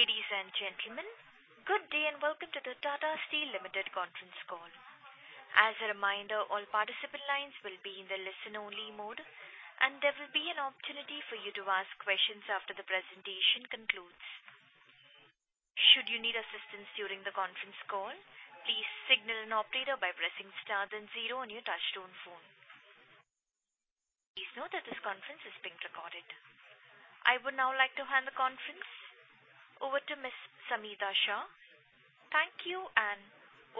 Ladies and gentlemen, good day and welcome to the Tata Steel Limited conference call. As a reminder, all participant lines will be in the listen-only mode, and there will be an opportunity for you to ask questions after the presentation concludes. Should you need assistance during the conference call, please signal an operator by pressing star then zero on your touchtone phone. Please note that this conference is being recorded. I would now like to hand the conference over to Ms. Samita Shah. Thank you, and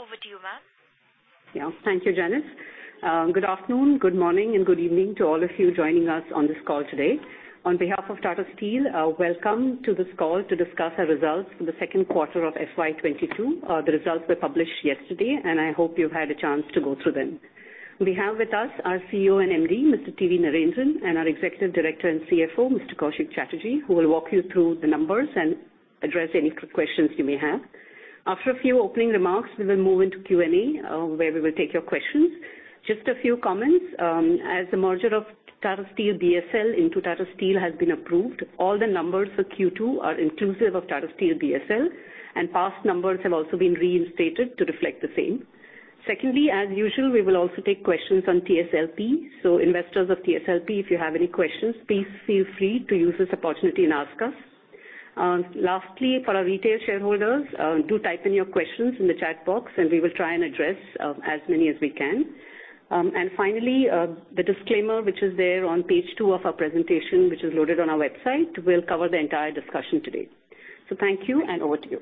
over to you, ma'am. Yeah. Thank you, Janice. Good afternoon, good morning, and good evening to all of you joining us on this call today. On behalf of Tata Steel, welcome to this call to discuss our results for the Q2 of FY 2022. The results were published yesterday, and I hope you've had a chance to go through them. We have with us our CEO and MD, Mr. T.V. Narendran, and our Executive Director and CFO, Mr. Koushik Chatterjee, who will walk you through the numbers and address any questions you may have. After a few opening remarks, we will move into Q&A, where we will take your questions. Just a few comments. As the merger of Tata Steel BSL into Tata Steel has been approved, all the numbers for Q2 are inclusive of Tata Steel BSL, and past numbers have also been reinstated to reflect the same. Secondly, as usual, we will also take questions on TSLP. Investors of TSLP, if you have any questions, please feel free to use this opportunity and ask us. Lastly, for our retail shareholders, do type in your questions in the chat box, and we will try and address as many as we can. Finally, the disclaimer, which is there on page two of our presentation, which is loaded on our website, will cover the entire discussion today. Thank you, and over to you.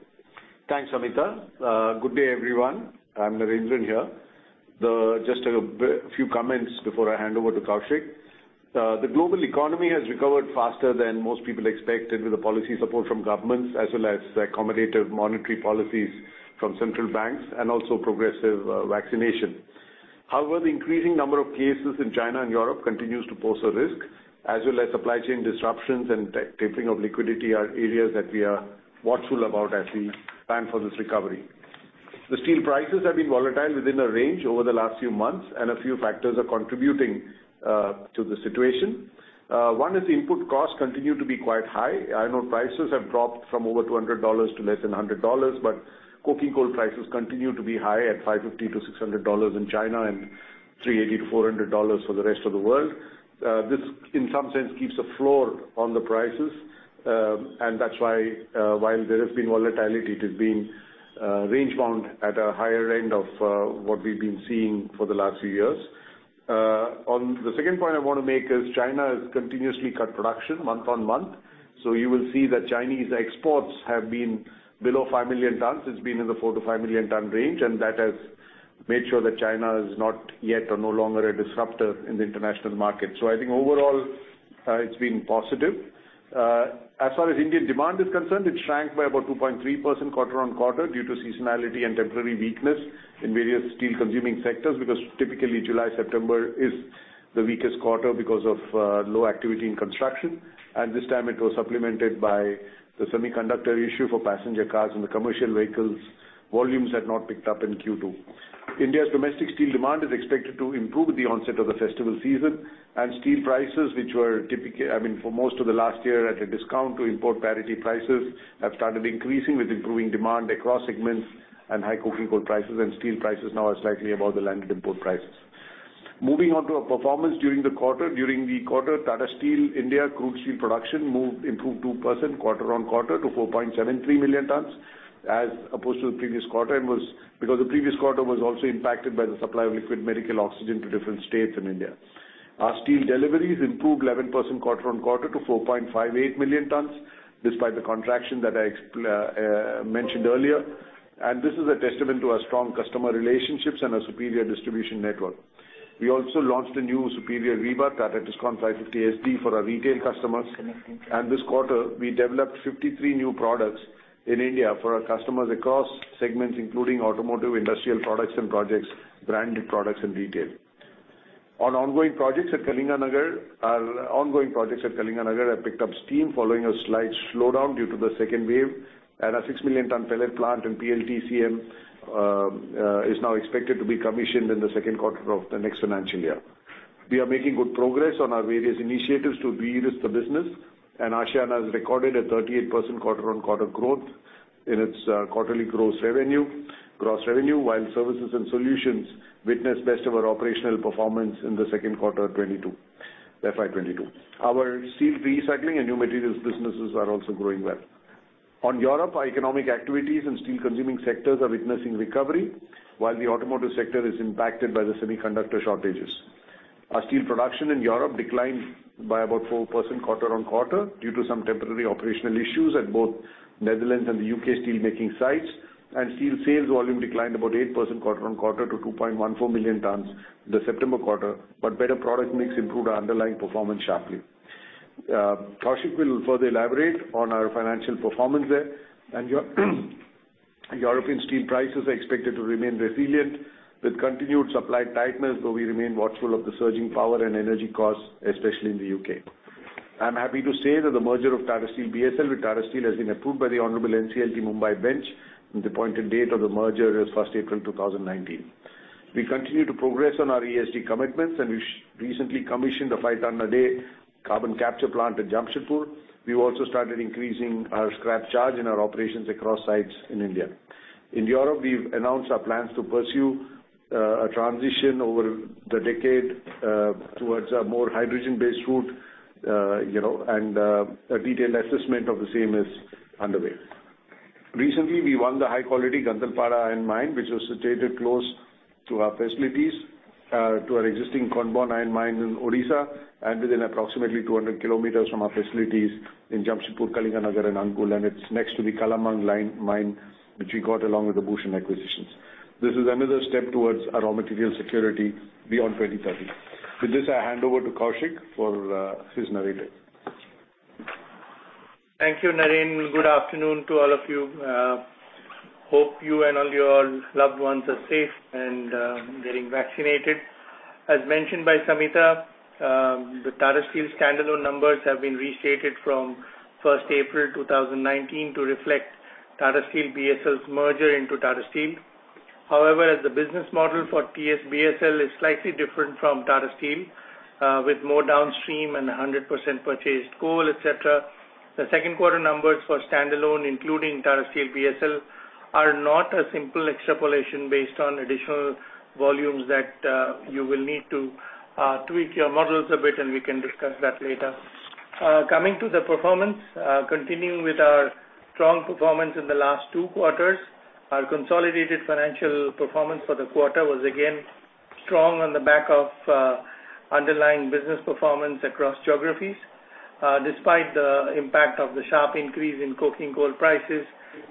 Thanks, Samita. Good day, everyone. I'm T.V. Narendran here. Just a few comments before I hand over to Koushik Chatterjee. The global economy has recovered faster than most people expected with the policy support from governments as well as accommodative monetary policies from central banks and also progressive vaccination. However, the increasing number of cases in China and Europe continues to pose a risk, as well as supply chain disruptions and tapering of liquidity are areas that we are watchful about as we plan for this recovery. The steel prices have been volatile within a range over the last few months, and a few factors are contributing to the situation. One is the input costs continue to be quite high. Iron ore prices have dropped from over $200 to less than $100, but coking coal prices continue to be high at $550-$600 in China and $380-$400 for the rest of the world. This, in some sense, keeps a floor on the prices, and that's why, while there has been volatility, it has been range-bound at a higher end of what we've been seeing for the last few years. On the second point I wanna make is China has continuously cut production month-on-month. You will see that Chinese exports have been below 5 million tons. It's been in the 4 million-5 million ton range, and that has made sure that China is not yet or no longer a disruptor in the international market. I think overall, it's been positive. As far as Indian demand is concerned, it shrank by about 2.3% quarter-on-quarter due to seasonality and temporary weakness in various steel consuming sectors because typically July, September is the weakest quarter because of low activity in construction. This time it was supplemented by the semiconductor issue for passenger cars and the commercial vehicles. Volumes had not picked up in Q2. India's domestic steel demand is expected to improve with the onset of the festival season. Steel prices, which were I mean, for most of the last year at a discount to import parity prices, have started increasing with improving demand across segments and high coking coal prices, and steel prices now are slightly above the landed import prices. Moving on to our performance during the quarter. During the quarter, Tata Steel India crude steel production improved 2% quarter-on-quarter to 4.73 million tons as opposed to the previous quarter because the previous quarter was also impacted by the supply of liquid medical oxygen to different states in India. Our steel deliveries improved 11% quarter-on-quarter to 4.58 million tons, despite the contraction that I mentioned earlier. This is a testament to our strong customer relationships and our superior distribution network. We also launched a new superior rebar, Tata Tiscon 550SD, for our retail customers. This quarter, we developed 53 new products in India for our customers across segments, including automotive, industrial products and projects, brand new products, and retail. Our ongoing projects at Kalinganagar have picked up steam following a slight slowdown due to the second wave. Our 6 million ton pellet plant and PLTCM is now expected to be commissioned in the Q2 of the next financial year. We are making good progress on our various initiatives to derisk the business. Aashiyana has recorded a 38% quarter-on-quarter growth in its quarterly gross revenue, while services and solutions witnessed best ever operational performance in the Q2 of FY 2022. Our steel recycling and new materials businesses are also growing well. In Europe, our economic activities and steel consuming sectors are witnessing recovery while the automotive sector is impacted by the semiconductor shortages. Our steel production in Europe declined by about 4% quarter-on-quarter due to some temporary operational issues at both the Netherlands and the U.K. steelmaking sites. Steel sales volume declined about 8% quarter-on-quarter to 2.14 million tons in the September quarter, but better product mix improved our underlying performance sharply. Koushik will further elaborate on our financial performance there. European steel prices are expected to remain resilient with continued supply tightness, though we remain watchful of the surging power and energy costs, especially in the U.K. I'm happy to say that the merger of Tata Steel BSL with Tata Steel has been approved by the Honorable NCLT Mumbai bench, and the appointed date of the merger is April 1, 2019. We continue to progress on our ESG commitments, and we recently commissioned a 5-tonne-a-day carbon capture plant at Jamshedpur. We also started increasing our scrap charge in our operations across sites in India. In Europe, we've announced our plans to pursue a transition over the decade towards a more hydrogen-based route, you know, and a detailed assessment of the same is underway. Recently, we won the high-quality Gandhalpada iron mine, which was situated close to our facilities, to our existing Khondbond iron mine in Odisha, and within approximately 200 km from our facilities in Jamshedpur, Kalinganagar, and Angul, and it's next to the Kalamang iron mine which we got along with the Bhushan Steel acquisition. This is another step towards our raw material security beyond 2030. With this, I hand over to Koushik for his narrative. Thank you, Naren. Good afternoon to all of you. Hope you and all your loved ones are safe and getting vaccinated. As mentioned by Samita, the Tata Steel standalone numbers have been restated from April 1, 2019 to reflect Tata Steel BSL's merger into Tata Steel. However, as the business model for TSBSL is slightly different from Tata Steel, with more downstream and 100% purchased coal, et cetera, the Q2 numbers for standalone, including Tata Steel BSL, are not a simple extrapolation based on additional volumes that you will need to tweak your models a bit, and we can discuss that later. Coming to the performance, continuing with our strong performance in the last two quarters, our consolidated financial performance for the quarter was again strong on the back of underlying business performance across geographies, despite the impact of the sharp increase in coking coal prices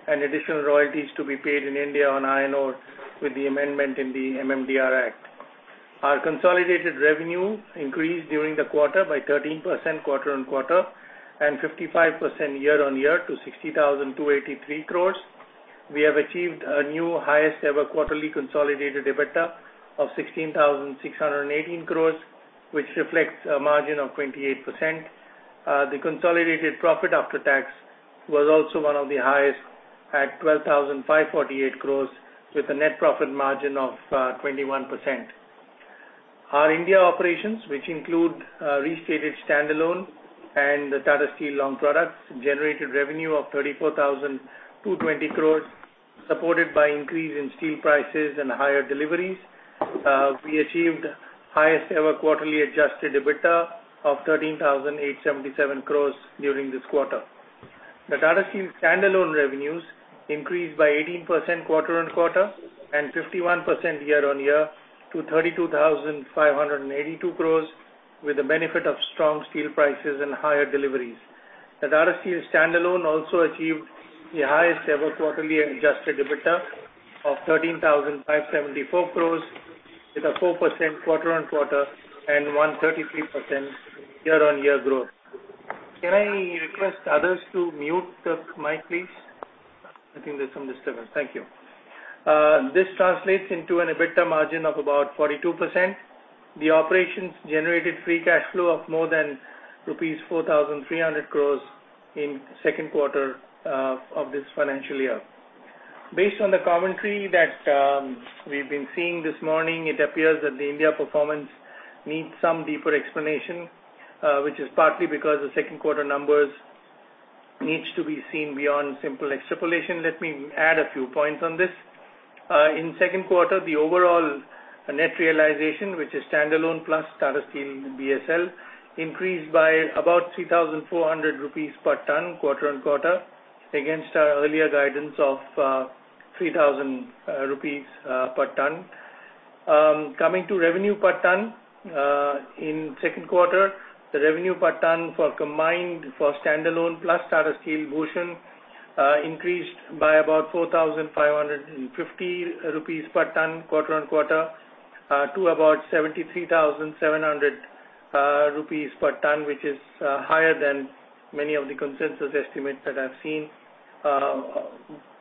and additional royalties to be paid in India on iron ore with the amendment in the MMDR Act. Our consolidated revenue increased during the quarter by 13% quarter-on-quarter and 55% year-on-year to 60,283 crores. We have achieved a new highest ever quarterly consolidated EBITDA of 16,618 crores, which reflects a margin of 28%. The consolidated profit after tax was also one of the highest at 12,548 crores with a net profit margin of 21%. Our India operations, which include restated standalone and the Tata Steel Long Products, generated revenue of 34,220 crore, supported by increase in steel prices and higher deliveries. We achieved highest ever quarterly adjusted EBITDA of 13,877 crore during this quarter. The Tata Steel standalone revenues increased by 18% quarter-on-quarter and 51% year-on-year to 32,582 crore with the benefit of strong steel prices and higher deliveries. The Tata Steel standalone also achieved the highest ever quarterly adjusted EBITDA of 13,574 crore with a 4% quarter-on-quarter and 133% year-on-year growth. Can I request others to mute the mic, please? I think there's some disturbance. Thank you. This translates into an EBITDA margin of about 42%. The operations generated free cash flow of more than rupees 4,300 crore in the Q2 of this financial year. Based on the commentary that we've been seeing this morning, it appears that the India performance needs some deeper explanation, which is partly because the Q2 numbers needs to be seen beyond simple extrapolation. Let me add a few points on this. In Q2, the overall net realization, which is standalone plus Tata Steel BSL, increased by about 3,400 rupees per tonne quarter-on-quarter against our earlier guidance of 3,000 rupees per tonne. Coming to revenue per tonne, in Q2, the revenue per tonne for combined for standalone plus Tata Steel Bhushan increased by about 4,550 rupees per tonne quarter-on-quarter to about 73,700 rupees per tonne, which is higher than many of the consensus estimates that I've seen,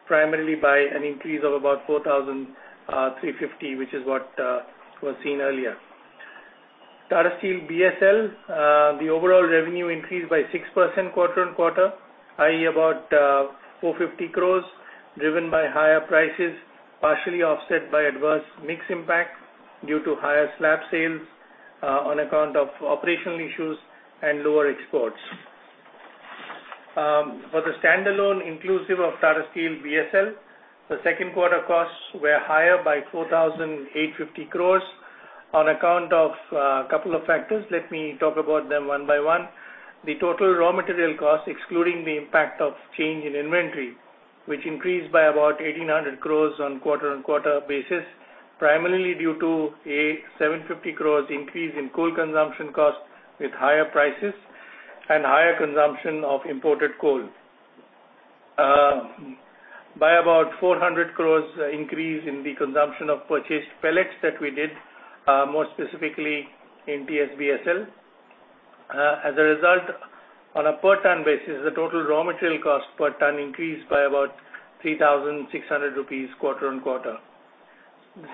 primarily by an increase of about 4,350, which is what was seen earlier. Tata Steel BSL, the overall revenue increased by 6% quarter-on-quarter, i.e. about 450 crore driven by higher prices, partially offset by adverse mix impact due to higher slab sales on account of operational issues and lower exports. For the standalone inclusive of Tata Steel BSL, the Q2 costs were higher by 4,850 crores on account of a couple of factors. Let me talk about them one by one. The total raw material costs, excluding the impact of change in inventory, which increased by about 1,800 crores on quarter-on-quarter basis, primarily due to a 750 crores increase in coal consumption costs with higher prices and higher consumption of imported coal. By about 400 crores increase in the consumption of purchased pellets that we did, more specifically in TSBSL. As a result, on a per tonne basis, the total raw material cost per tonne increased by about 3,600 rupees quarter-on-quarter.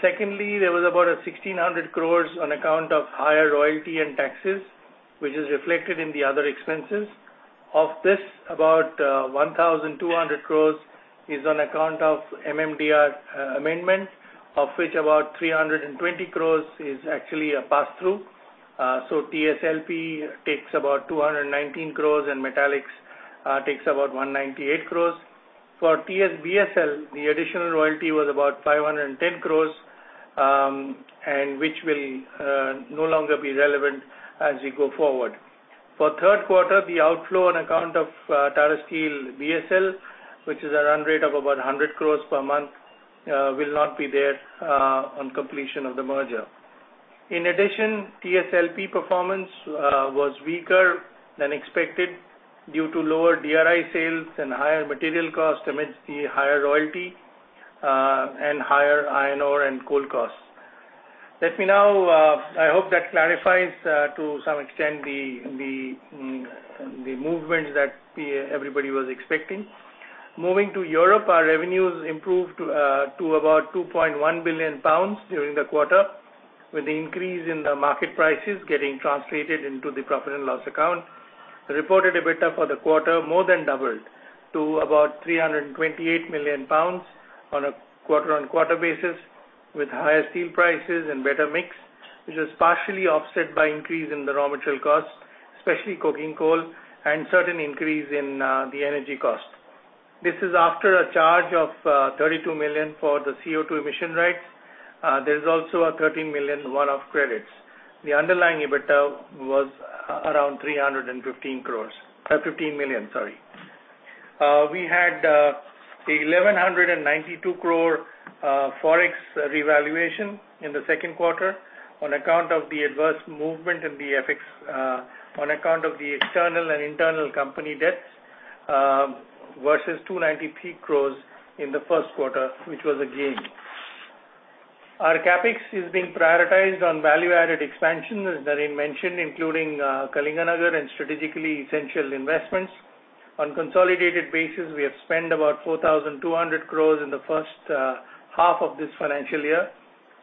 Secondly, there was about 1,600 crores on account of higher royalty and taxes, which is reflected in the other expenses. Of this, about 1,200 crores is on account of MMDR amendment, of which about 320 crores is actually a pass-through. So TSLP takes about 219 crores and Tata Metaliks takes about 198 crores. For TSBSL, the additional royalty was about 510 crores, and which will no longer be relevant as we go forward. For Q3, the outflow on account of Tata Steel BSL, which is a run rate of about 100 crores per month, will not be there on completion of the merger. In addition, TSLP performance was weaker than expected due to lower DRI sales and higher material costs amidst the higher royalty, and higher iron ore and coal costs. I hope that clarifies to some extent the movements that everybody was expecting. Moving to Europe, our revenues improved to about 2.1 billion pounds during the quarter, with the increase in the market prices getting translated into the profit and loss account. The reported EBITDA for the quarter more than doubled to about 328 million pounds on a quarter-on-quarter basis, with higher steel prices and better mix, which was partially offset by increase in the raw material costs, especially coking coal and certain increase in the energy cost. This is after a charge of 32 million for the CO2 emission rights. There is also a 13 million one-off credits. The underlying EBITDA was around 315 crores. 15 million, sorry. We had 1,192 crore Forex revaluation in the Q2 on account of the adverse movement in the FX on account of the external and internal company debts versus 293 crores in the Q1, which was a gain. Our CapEx is being prioritized on value-added expansion, as Naren mentioned, including Kalinganagar and strategically essential investments. On a consolidated basis, we have spent about 4,200 crores in the H1 of this financial year.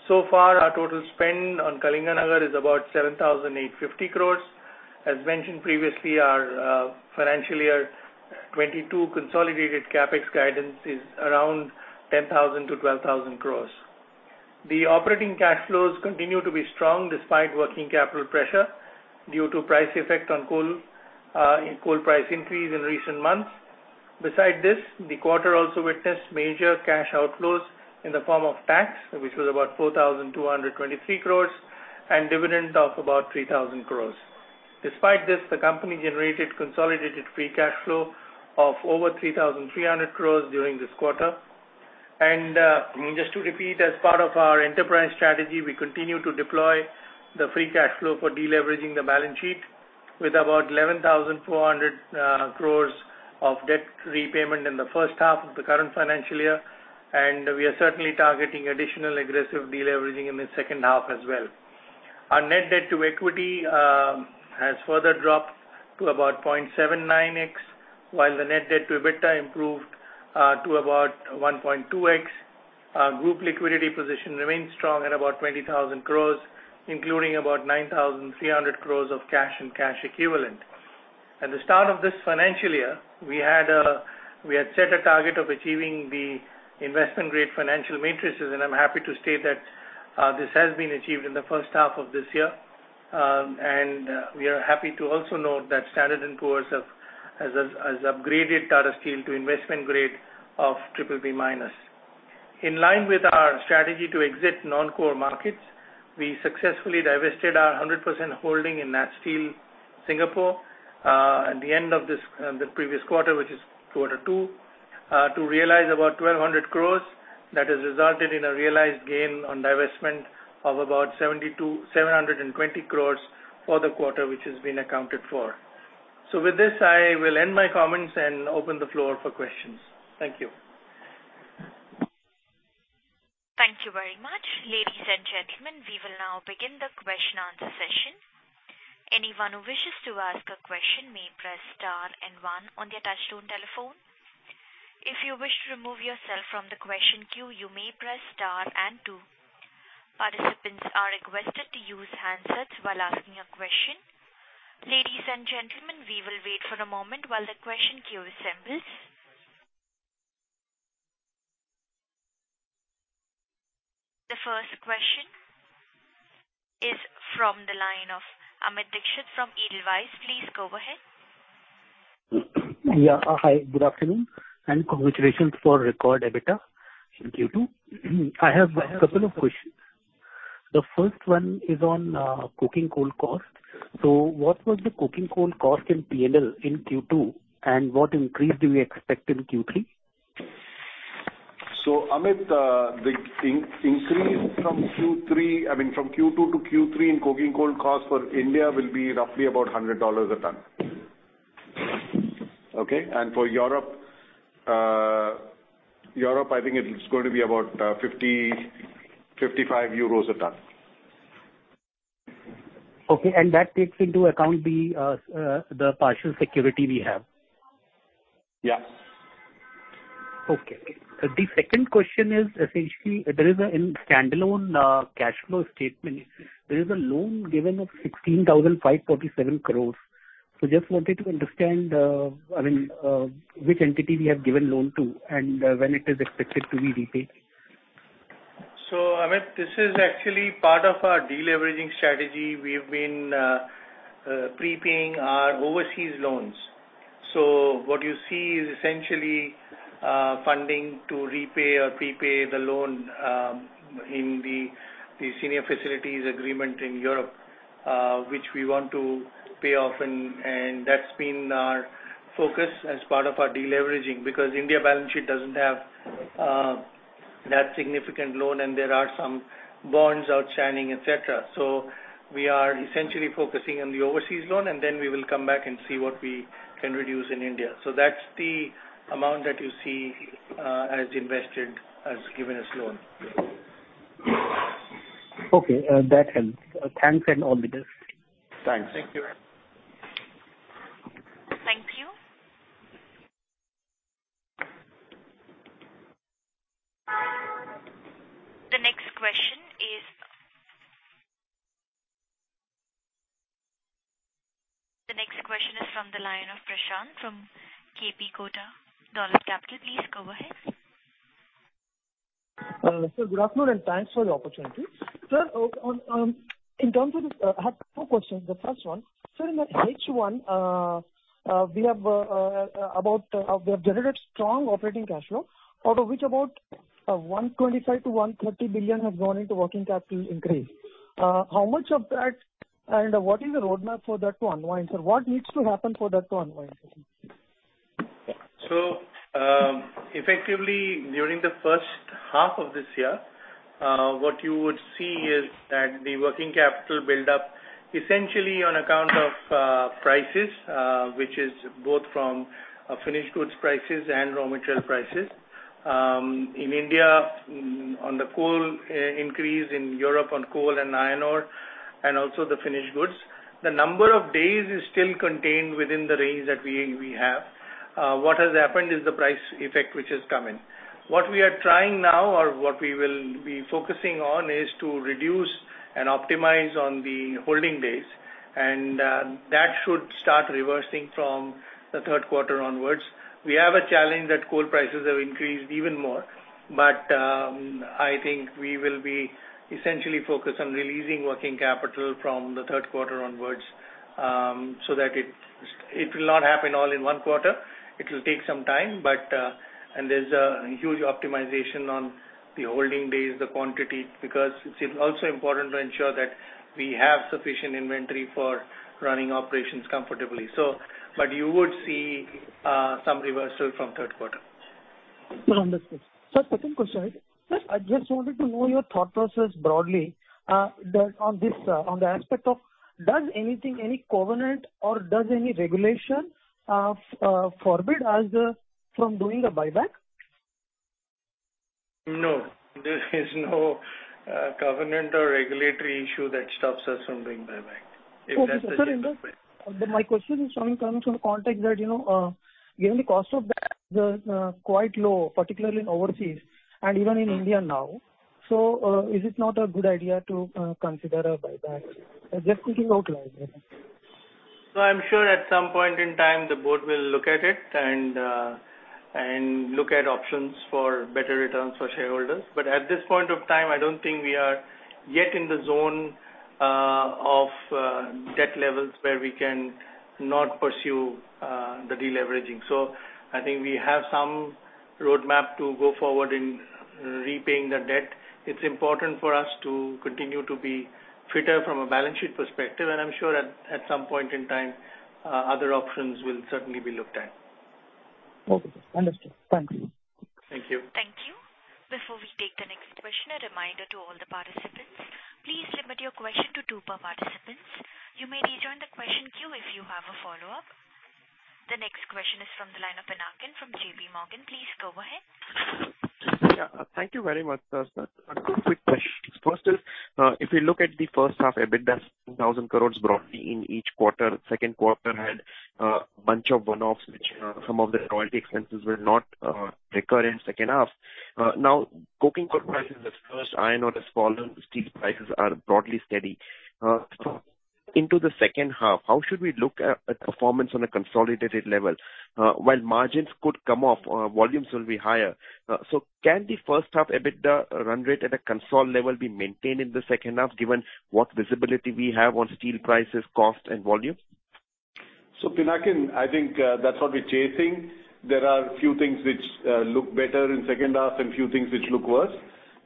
So far, our total spend on Kalinganagar is about 7,850 crores. As mentioned previously, our financial year 2022 consolidated CapEx guidance is around 10,000 crores-12,000 crores. The operating cash flows continue to be strong despite working capital pressure due to price effect on coal, in coal price increase in recent months. Besides this, the quarter also witnessed major cash outflows in the form of tax, which was about 4,223 crore and dividend of about 3,000 crore. Despite this, the company generated consolidated free cash flow of over 3,300 crore during this quarter. Just to repeat, as part of our enterprise strategy, we continue to deploy the free cash flow for deleveraging the balance sheet with about 11,400 crore of debt repayment in the H1 of the current financial year. We are certainly targeting additional aggressive deleveraging in the H2 as well. Our net debt to equity has further dropped to about 0.79x, while the net debt to EBITDA improved to about 1.2x. Our group liquidity position remains strong at about 20,000 crore, including about 9,300 crore of cash and cash equivalent. At the start of this financial year, we had set a target of achieving the investment grade financial metrics, and I'm happy to state that this has been achieved in the H1 of this year. We are happy to also note that Standard & Poor's has upgraded Tata Steel to investment grade of BBB-. In line with our strategy to exit non-core markets, we successfully divested our 100% holding in NatSteel Singapore at the end of this, the previous quarter, which is Q2, to realize about 1,200 crore that has resulted in a realized gain on divestment of about 720 crore for the quarter, which has been accounted for. With this, I will end my comments and open the floor for questions. Thank you. Thank you very much. Ladies and gentlemen, we will now begin the question and answer session. Anyone who wishes to ask a question may press star and one on their touchtone telephone. If you wish to remove yourself from the question queue, you may press star and two. Participants are requested to use handsets while asking a question. Ladies and gentlemen, we will wait for a moment while the question queue assembles. The first question is from the line of Amit Dixit from Edelweiss. Please go ahead. Yeah. Hi, good afternoon, and congratulations for record EBITDA in Q2. I have a couple of questions. The first one is on coking coal cost. What was the coking coal cost in P&L in Q2, and what increase do we expect in Q3? Amit, the increase from Q3, I mean, from Q2 to Q3 in coking coal cost for India will be roughly about $100 a ton. Okay. For Europe, I think it's going to be about 55 euros a ton. Okay, that takes into account the partial security we have. Yeah. Okay. The second question is essentially there is, in standalone, cash flow statement. There is a loan given of 16,547 crores. Just wanted to understand, I mean, which entity we have given loan to and, when it is expected to be repaid. Amit, this is actually part of our deleveraging strategy. We've been prepaying our overseas loans. What you see is essentially funding to repay or prepay the loan in the senior facilities agreement in Europe, which we want to pay off and that's been our focus as part of our deleveraging. Because India balance sheet doesn't have that significant loan and there are some bonds outstanding, et cetera. We are essentially focusing on the overseas loan, and then we will come back and see what we can reduce in India. That's the amount that you see as invested as given as loan. Okay. That helps. Thanks, and all the best. Thanks. Thank you. The next question is from the line of Prateek Singh from DAM Capital Advisors Limited. Please go ahead. Sir, good afternoon, and thanks for the opportunity. Sir, on in terms of this, I have two questions. The first one, sir, in the H1, we have generated strong operating cash flow, out of which about 125 billion-130 billion have gone into working capital increase. How much of that and what is the roadmap for that to unwind, sir? What needs to happen for that to unwind, sir? Effectively, during the H1 of this year, what you would see is that the working capital build up essentially on account of prices, which is both from finished goods prices and raw material prices in India on the coal, increase in Europe on coal and iron ore and also the finished goods. The number of days is still contained within the range that we have. What has happened is the price effect, which has come in. What we are trying now or what we will be focusing on is to reduce and optimize on the holding days, and that should start reversing from the Q3 onwards. We have a challenge that coal prices have increased even more. I think we will be essentially focused on releasing working capital from the Q3 onwards, so that it will not happen all in one quarter. It will take some time, and there's a huge optimization on the holding days, the quantity, because it's also important to ensure that we have sufficient inventory for running operations comfortably. You would see some reversal from Q3. Understood. Sir, second question. Sir, I just wanted to know your thought process broadly on the aspect of does anything, any covenant or does any regulation forbid us from doing a buyback? No. There is no covenant or regulatory issue that stops us from doing buyback. Okay. Sir, My question is coming from the context that, you know, given the cost of debt is quite low, particularly in overseas and even in India now. Is it not a good idea to consider a buyback? Just quickly outline that. I'm sure at some point in time the board will look at it and look at options for better returns for shareholders. At this point of time, I don't think we are yet in the zone of debt levels where we can not pursue the deleveraging. I think we have some roadmap to go forward in repaying the debt. It's important for us to continue to be fitter from a balance sheet perspective, and I'm sure at some point in time other options will certainly be looked at. Okay. Understood. Thank you. Thank you. Thank you. Before we take the next question, a reminder to all the participants. Please limit your question to two per participant. You may rejoin the question queue if you have a follow-up. The next question is from the line of Pinakin from JPMorgan. Please go ahead. Yeah. Thank you very much. Sir, two quick questions. First is, if you look at the H1 EBITDA, 1,000 crore broadly in each quarter. Q2 had bunch of one-offs, which some of the royalty expenses will not recur in H2. Now coking coal prices have surged, iron ore has fallen, steel prices are broadly steady. Into the H2, how should we look at performance on a consolidated level? While margins could come off, volumes will be higher. Can the H1 EBITDA run rate at a consolidated level be maintained in the H2, given what visibility we have on steel prices, cost and volume? Pinakin, I think that's what we're chasing. There are few things which look better in H2 and few things which look worse.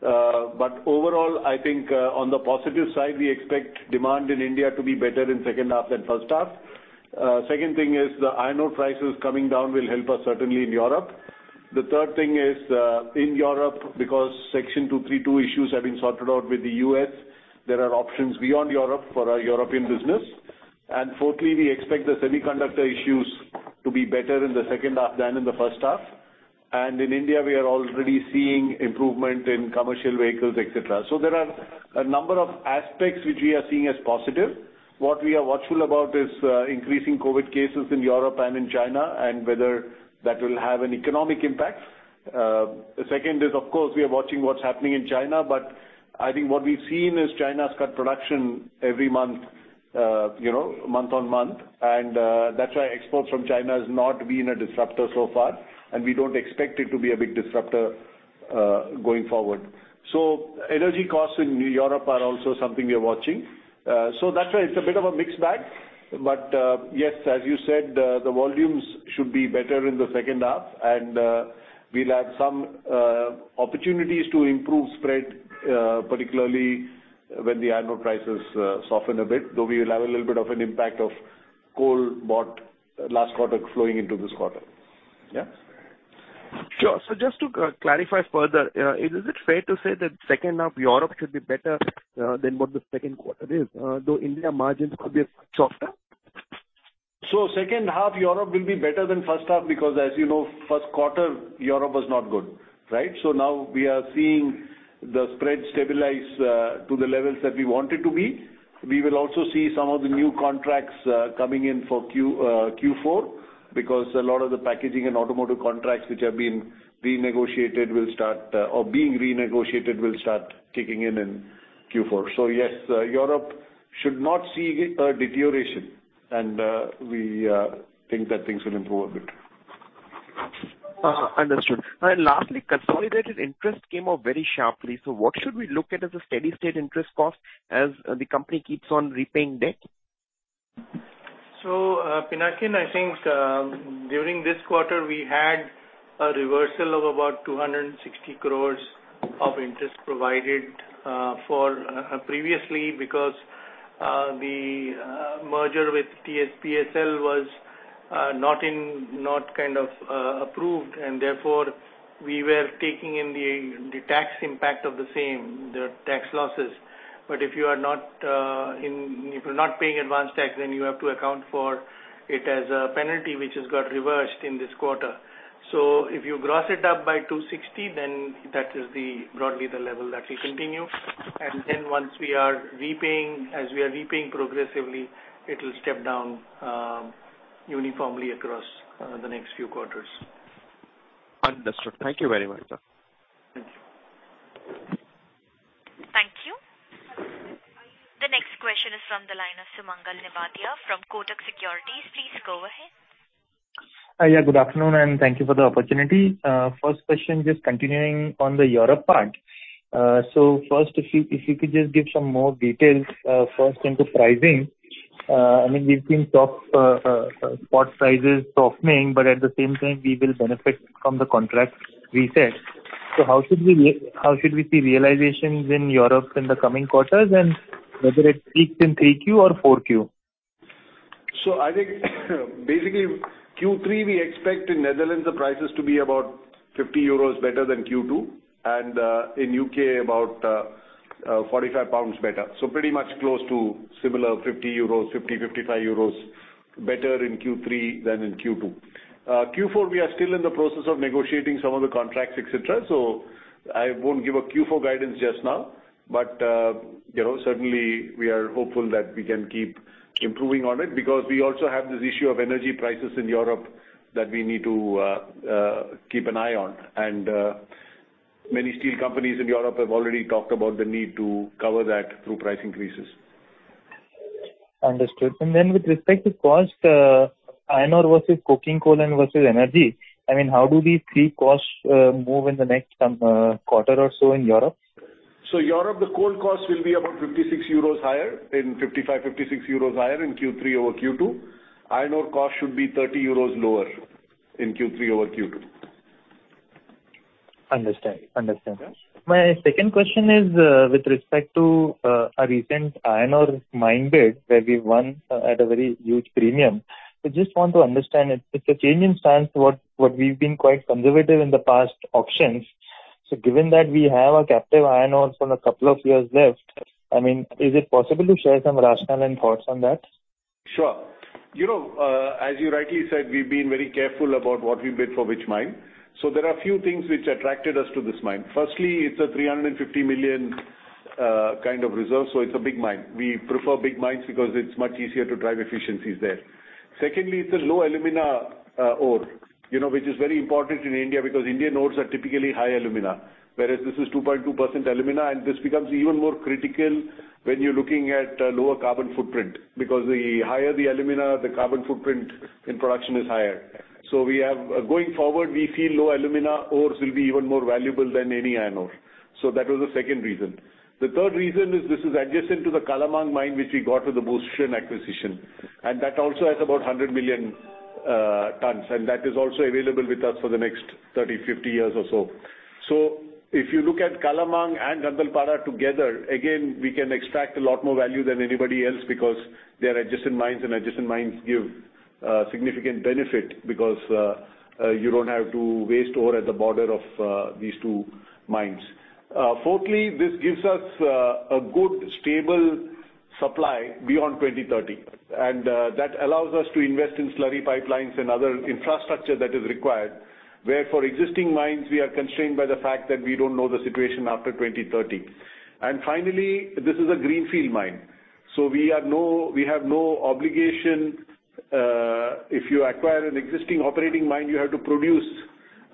But overall, I think on the positive side, we expect demand in India to be better in H2 than H1. Second thing is the iron ore prices coming down will help us certainly in Europe. The third thing is in Europe, because Section 232 issues have been sorted out with the U.S., there are options beyond Europe for our European business. Fourthly, we expect the semiconductor issues to be better in the H2 than in the H1. In India, we are already seeing improvement in commercial vehicles, et cetera. There are a number of aspects which we are seeing as positive. What we are watchful about is, increasing COVID cases in Europe and in China and whether that will have an economic impact. The second is of course we are watching what's happening in China, but I think what we've seen is China's cut production every month, you know, month on month. That's why exports from China has not been a disruptor so far, and we don't expect it to be a big disruptor, going forward. Energy costs in Europe are also something we are watching. That's why it's a bit of a mixed bag. Yes, as you said, the volumes should be better in the H2, and we'll have some opportunities to improve spread, particularly when the iron ore prices soften a bit, though we will have a little bit of an impact of coal bought last quarter flowing into this quarter. Yeah. Sure. Just to clarify further, is it fair to say that H2 Europe should be better than what the Q2 is, though India margins could be a bit softer? H2 Europe will be better than H1 because as you know, Q1 Europe was not good, right? Now we are seeing the spread stabilize to the levels that we want it to be. We will also see some of the new contracts coming in for Q4, because a lot of the packaging and automotive contracts which have been renegotiated or being renegotiated will start kicking in in Q4. Yes, Europe should not see a deterioration and we think that things will improve a bit. Understood. Lastly, consolidated interest came off very sharply. What should we look at as a steady state interest cost as the company keeps on repaying debt? Pinakin, I think during this quarter, we had a reversal of about 260 crores of interest provided for previously because the merger with TSLP was not approved and therefore we were taking in the tax impact of the same, the tax losses. If you're not paying advance tax, then you have to account for it as a penalty, which has got reversed in this quarter. If you gross it up by 260, then that is broadly the level that we continue. Once we are repaying, as we are repaying progressively, it will step down uniformly across the next few quarters. Understood. Thank you very much, sir. Thank you. Thank you. The next question is from the line of Sumangal Nevatia from Kotak Securities. Please go ahead. Yeah, good afternoon, and thank you for the opportunity. First question, just continuing on the Europe part. First, if you could just give some more details into pricing. I mean, we've seen steel prices softening, but at the same time we will benefit from the contract reset. How should we see realizations in Europe in the coming quarters and whether it peaks in 3Q or 4Q? I think basically Q3 we expect in the Netherlands the prices to be about 50 euros better than Q2. In U.K. about 45 pounds better. Pretty much close to similar 50 euros, 55 euros better in Q3 than in Q2. Q4 we are still in the process of negotiating some of the contracts, et cetera, so I won't give a Q4 guidance just now. You know, certainly we are hopeful that we can keep improving on it because we also have this issue of energy prices in Europe that we need to keep an eye on. Many steel companies in Europe have already talked about the need to cover that through price increases. Understood. With respect to cost, iron ore versus coking coal and versus energy, I mean, how do these three costs move in the next quarter or so in Europe? Europe, the coal costs will be about 55-56 euros higher in Q3 over Q2. Iron ore cost should be 30 euros lower in Q3 over Q2. Understand. Yes. My second question is with respect to a recent iron ore mine bid where we won at a very huge premium. I just want to understand it. It's a change in stance to what we've been quite conservative in the past auctions. Given that we have a captive iron ore from a couple of years left, I mean, is it possible to share some rationale and thoughts on that? Sure. You know, as you rightly said, we've been very careful about what we bid for which mine. There are a few things which attracted us to this mine. Firstly, it's a 350 million kind of reserve, so it's a big mine. We prefer big mines because it's much easier to drive efficiencies there. Secondly, it's a low alumina ore, you know, which is very important in India because Indian ores are typically high alumina, whereas this is 2.2% alumina. This becomes even more critical when you're looking at lower carbon footprint because the higher the alumina, the carbon footprint in production is higher. Going forward, we feel low alumina ores will be even more valuable than any iron ore. That was the second reason. The third reason is this is adjacent to the Kalamang mine which we got with the Bhushan acquisition. That also has about 100 million tons, and that is also available with us for the next 30 years-50 years or so. If you look at Kalamang and Gandhalpada together, again, we can extract a lot more value than anybody else because they are adjacent mines and adjacent mines give significant benefit because you don't have to waste ore at the border of these two mines. Fourthly, this gives us a good stable supply beyond 2030, and that allows us to invest in slurry pipelines and other infrastructure that is required, where for existing mines we are constrained by the fact that we don't know the situation after 2030. Finally, this is a greenfield mine. We have no obligation. If you acquire an existing operating mine, you have to produce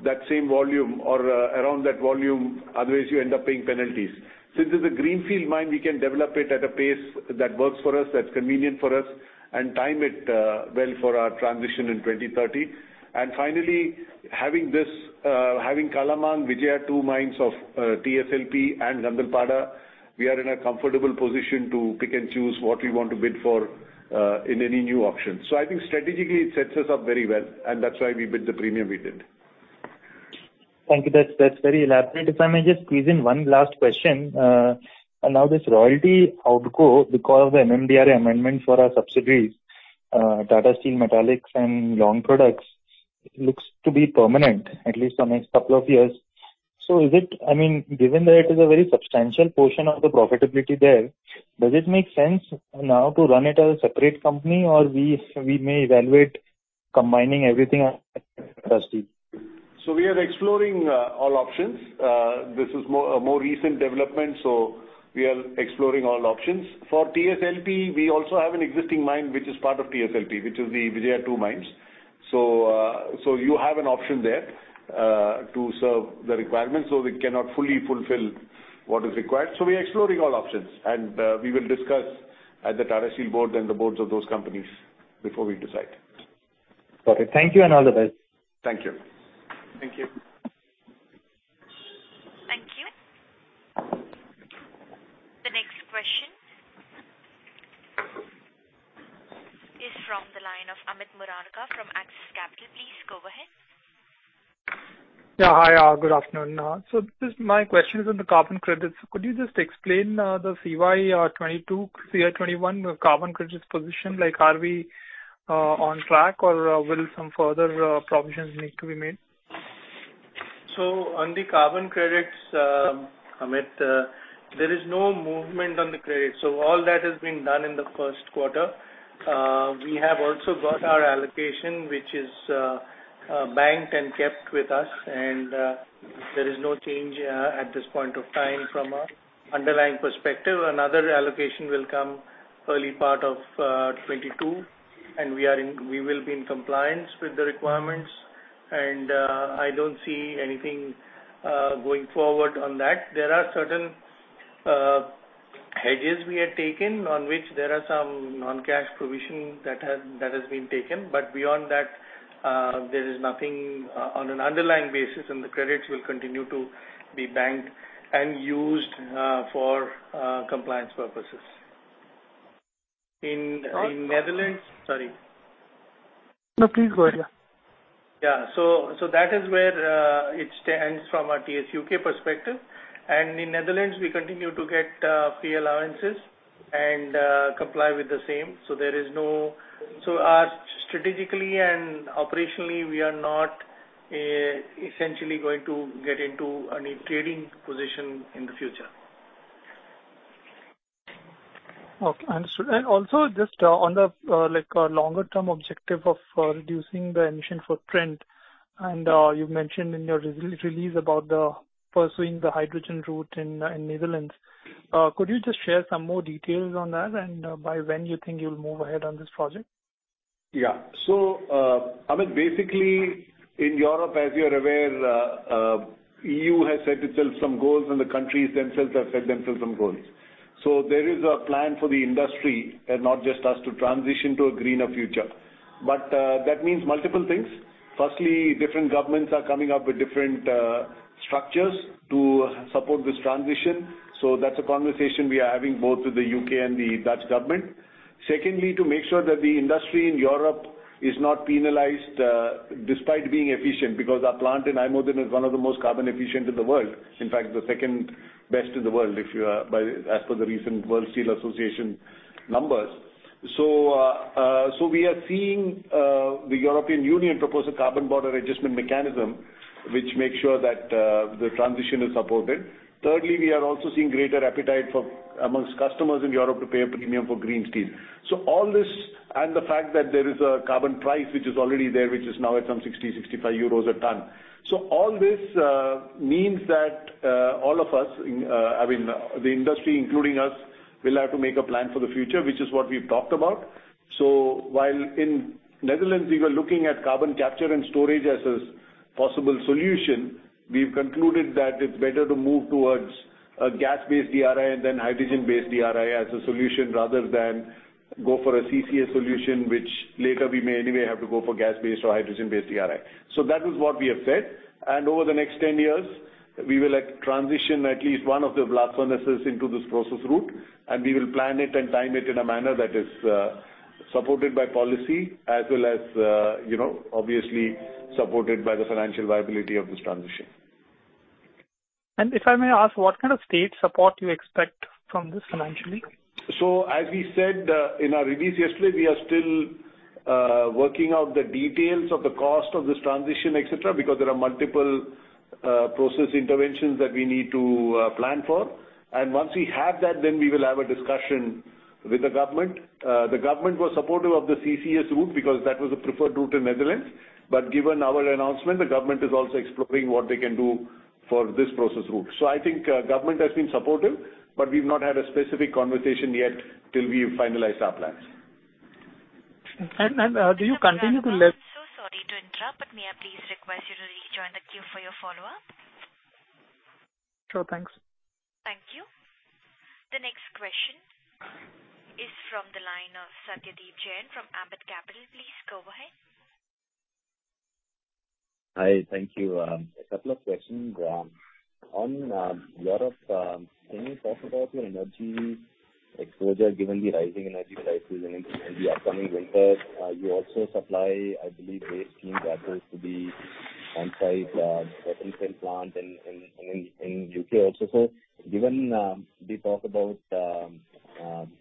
that same volume or around that volume, otherwise you end up paying penalties. Since it's a greenfield mine, we can develop it at a pace that works for us, that's convenient for us, and time it well for our transition in 2030. Finally, having Kalamang, Vijaya II mines of TSLP and Gandhalpada, we are in a comfortable position to pick and choose what we want to bid for in any new auction. I think strategically it sets us up very well, and that's why we bid the premium we did. Thank you. That's very elaborate. If I may just squeeze in one last question. Now this royalty outgo because of the MMDR amendment for our subsidiaries, Tata Metaliks Limited and Long Products, looks to be permanent, at least the next couple of years. Is it, I mean, given that it is a very substantial portion of the profitability there, does it make sense now to run it as a separate company or we may evaluate combining everything under Tata Steel? We are exploring all options. This is a more recent development, so we are exploring all options. For TSLP, we also have an existing mine which is part of TSLP, which is the Vijaya II mines. You have an option there to serve the requirements. We cannot fully fulfill what is required. We are exploring all options, and we will discuss at the Tata Steel board and the boards of those companies before we decide. Okay. Thank you and all the best. Thank you. Thank you. Thank you. The next question is from the line of Amit Murarka from Axis Capital. Please go ahead. Yeah. Hi, good afternoon. Just my question is on the carbon credits. Could you just explain the CY 22, CY 21 carbon credits position? Like, are we on track or will some further provisions need to be made? On the carbon credits, Amit, there is no movement on the credits. All that has been done in the Q1. We have also got our allocation, which is banked and kept with us and there is no change at this point of time from our underlying perspective. Another allocation will come early part of 2022, and we will be in compliance with the requirements. I don't see anything going forward on that. There are certain hedges we had taken on which there are some non-cash provision that has been taken, but beyond that, there is nothing on an underlying basis, and the credits will continue to be banked and used for compliance purposes. In Netherlands. Sorry. No, please go ahead. That is where it stands from a Tata Steel U.K. Perspective. In Netherlands we continue to get free allowances and comply with the same. Strategically and operationally, we are not essentially going to get into any trading position in the future. Okay, understood. Also just on the like longer-term objective of reducing the emissions footprint, and you've mentioned in your release about pursuing the hydrogen route in Netherlands. Could you just share some more details on that and by when you think you'll move ahead on this project? Amit, basically in Europe, as you're aware, EU has set itself some goals and the countries themselves have set themselves some goals. There is a plan for the industry, and not just us, to transition to a greener future. That means multiple things. Firstly, different governments are coming up with different structures to support this transition, so that's a conversation we are having both with the U.K. and the Dutch government. Secondly, to make sure that the industry in Europe is not penalized despite being efficient, because our plant in IJmuiden is one of the most carbon efficient in the world, in fact the second best in the world as per the recent World Steel Association numbers. We are seeing the European Union propose a Carbon Border Adjustment Mechanism which makes sure that the transition is supported. Thirdly, we are also seeing greater appetite amongst customers in Europe to pay a premium for green steel. All this, and the fact that there is a carbon price which is already there, which is now at some 65 euros a ton. All this means that all of us, I mean the industry including us, will have to make a plan for the future, which is what we've talked about. While in Netherlands we were looking at carbon capture and storage as a possible solution, we've concluded that it's better to move towards a gas-based DRI than hydrogen-based DRI as a solution rather than go for a CCS solution, which later we may anyway have to go for gas-based or hydrogen-based DRI. That is what we have said. Over the next 10 years we will transition at least one of the blast furnaces into this process route, and we will plan it and time it in a manner that is supported by policy as well as you know obviously supported by the financial viability of this transition. If I may ask, what kind of state support you expect from this financially? As we said in our release yesterday, we are still working out the details of the cost of this transition, et cetera, because there are multiple process interventions that we need to plan for. Once we have that, then we will have a discussion with the government. The government was supportive of the CCS route because that was the preferred route in the Netherlands. Given our announcement, the government is also exploring what they can do for this process route. I think government has been supportive, but we've not had a specific conversation yet till we've finalized our plans. Do you continue to- I'm so sorry to interrupt, but may I please request you to rejoin the queue for your follow-up? Sure. Thanks. Thank you. The next question is from the line of Satyadeep Jain from Ambit Capital. Please go ahead. Hi. Thank you. A couple of questions. On Europe, can you talk about your energy exposure given the rising energy prices in the upcoming winter? You also supply, I believe, waste steam that goes to the on-site hydrogen plant in the U.K. also. Given the talk about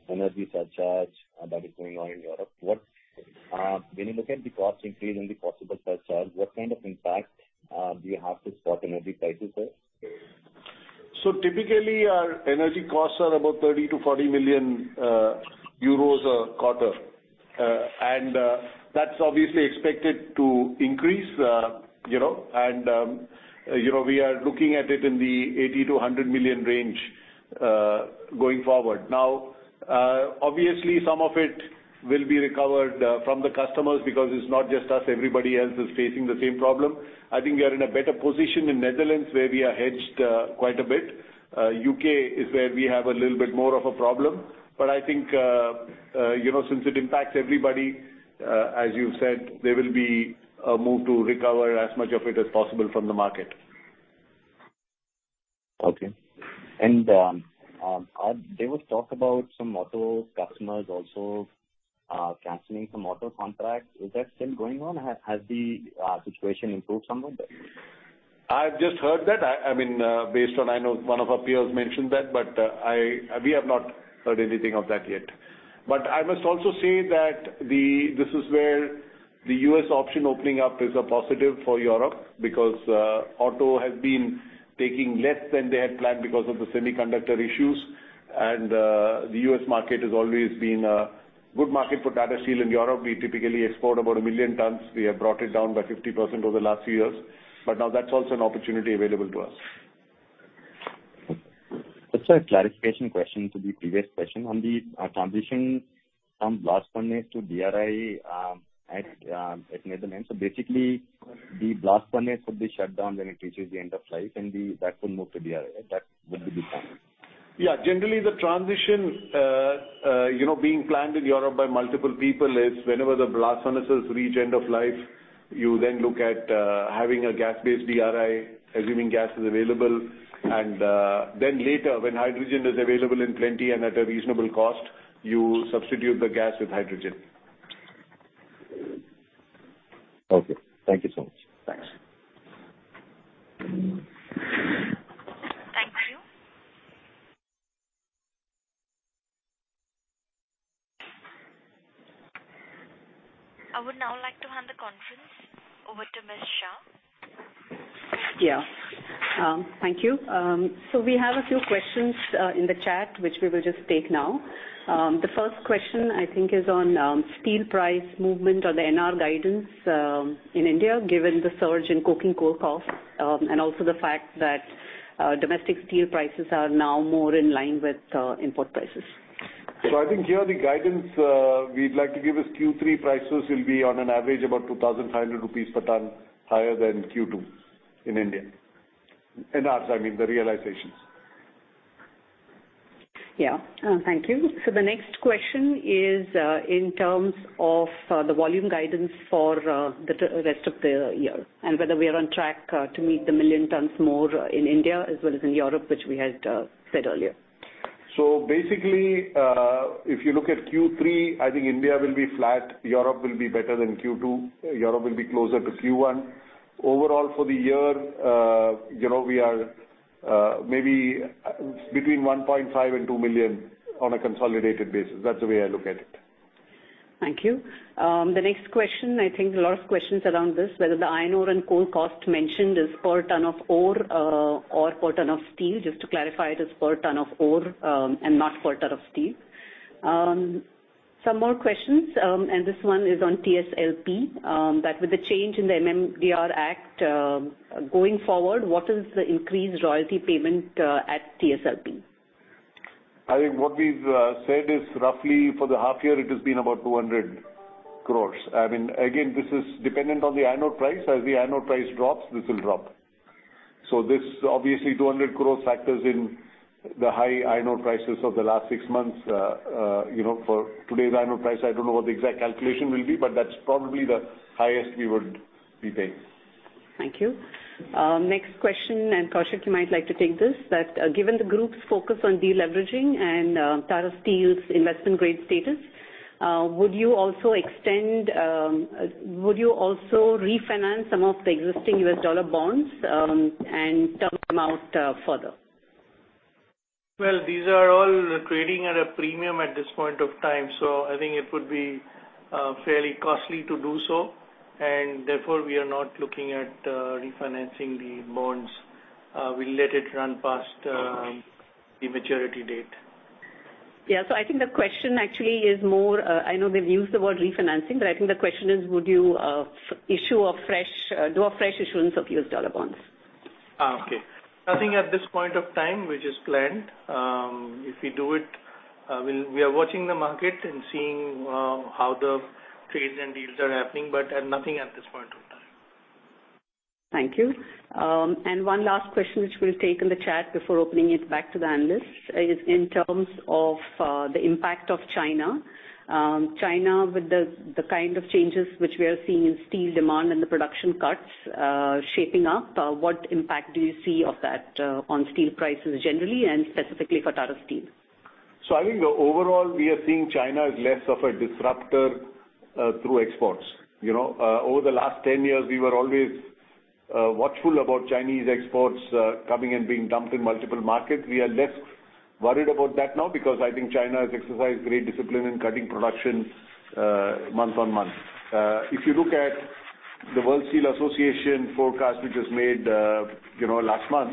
energy surcharge that is going on in Europe, when you look at the cost increase and the possible surcharge, what kind of impact do you have due to spot energy prices there? Typically our energy costs are about 30 million-40 million euros a quarter. That's obviously expected to increase, you know. You know, we are looking at it in the 80 million-100 million range going forward. Now, obviously some of it will be recovered from the customers because it's not just us, everybody else is facing the same problem. I think we are in a better position in Netherlands where we are hedged quite a bit. U.K. is where we have a little bit more of a problem. I think since it impacts everybody, as you said, there will be a move to recover as much of it as possible from the market. Okay. There was talk about some auto customers also canceling some auto contracts. Is that still going on, or has the situation improved somewhat there? I've just heard that. I mean, based on I know one of our peers mentioned that, but we have not heard anything of that yet. I must also say that this is where the U.S. option opening up is a positive for Europe because auto has been taking less than they had planned because of the semiconductor issues. The U.S. market has always been a good market for Tata Steel. In Europe, we typically export about 1 million tons. We have brought it down by 50% over the last few years, but now that's also an opportunity available to us. Just a clarification question to the previous question. On the transition from blast furnace to DRI at Netherlands. Basically the blast furnace would be shut down when it reaches the end of life, and that will move to DRI. That would be the plan. Yeah. Generally the transition, you know, being planned in Europe by multiple people is whenever the blast furnaces reach end of life, you then look at having a gas-based DRI, assuming gas is available. Then later when hydrogen is available in plenty and at a reasonable cost, you substitute the gas with hydrogen. Okay. Thank you so much. Thanks. Thank you. I would now like to hand the conference over to Ms. Shah. Yeah. Thank you. We have a few questions in the chat, which we will just take now. The first question I think is on steel price movement or the NR guidance in India, given the surge in coking coal cost and also the fact that domestic steel prices are now more in line with import prices. I think here the guidance we'd like to give is Q3 prices will be on an average about 2,500 rupees per ton higher than Q2 in India. NR, I mean the realizations. Thank you. The next question is, in terms of the volume guidance for the rest of the year, and whether we are on track to meet 1 million tons more in India as well as in Europe, which we had said earlier. Basically, if you look at Q3, I think India will be flat. Europe will be better than Q2. Europe will be closer to Q1. Overall for the year, you know, we are maybe between 1.5 and two million on a consolidated basis. That's the way I look at it. Thank you. The next question, I think a lot of questions around this, whether the iron ore and coal cost mentioned is per ton of ore, or per ton of steel. Just to clarify it is per ton of ore, and not per ton of steel. Some more questions. This one is on TSLP, that with the change in the MMDR Act, going forward, what is the increased royalty payment at TSLP? I think what we've said is roughly for the half year it has been about 200 crore. I mean, again, this is dependent on the iron ore price. As the iron ore price drops, this will drop. This obviously 200 crore factors in the high iron ore prices of the last six months. You know, for today's iron ore price, I don't know what the exact calculation will be, but that's probably the highest we would be paying. Thank you. Next question, Koushik, you might like to take this, that given the group's focus on deleveraging and Tata Steel's investment grade status, would you also refinance some of the existing U.S. dollar bonds and term them out further? Well, these are all trading at a premium at this point of time, so I think it would be fairly costly to do so. Therefore, we are not looking at refinancing the bonds. We'll let it run past the maturity date. Yeah. I think the question actually is more, I know they've used the word refinancing, but I think the question is would you do a fresh issuance of US dollar bonds? Okay. Nothing at this point of time which is planned. If we do it, we are watching the market and seeing how the trades and deals are happening, but nothing at this point of time. Thank you. One last question which we'll take in the chat before opening it back to the analysts is in terms of the impact of China. China with the kind of changes which we are seeing in steel demand and the production cuts shaping up, what impact do you see of that on steel prices generally and specifically for Tata Steel? I think overall we are seeing China as less of a disruptor through exports. You know, over the last 10 years we were always watchful about Chinese exports coming and being dumped in multiple markets. We are less worried about that now because I think China has exercised great discipline in cutting production month on month. If you look at the World Steel Association forecast, which was made you know last month,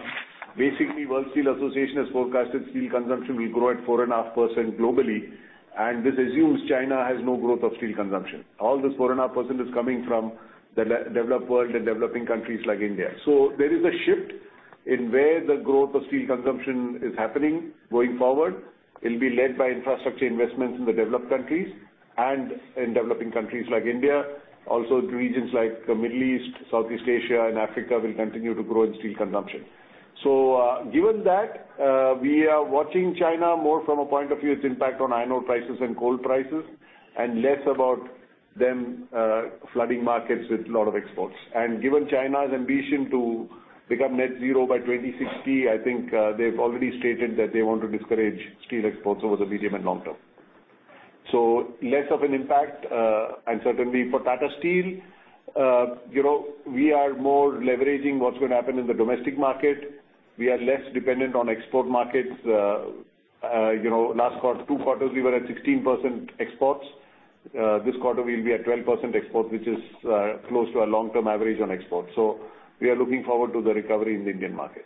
basically World Steel Association has forecasted steel consumption will grow at 4.5% globally, and this assumes China has no growth of steel consumption. All this 4.5% is coming from the developed world and developing countries like India. There is a shift in where the growth of steel consumption is happening. Going forward, it'll be led by infrastructure investments in the developed countries and in developing countries like India. Also the regions like the Middle East, Southeast Asia and Africa will continue to grow in steel consumption. Given that, we are watching China more from a point of view, its impact on iron ore prices and coal prices and less about them flooding markets with a lot of exports. Given China's ambition to become net zero by 2060, I think, they've already stated that they want to discourage steel exports over the medium and long term. Less of an impact. Certainly for Tata Steel, you know, we are more leveraging what's going to happen in the domestic market. We are less dependent on export markets. You know, last quarter, two quarters, we were at 16% exports. This quarter we'll be at 12% export, which is close to our long-term average on exports. We are looking forward to the recovery in the Indian market.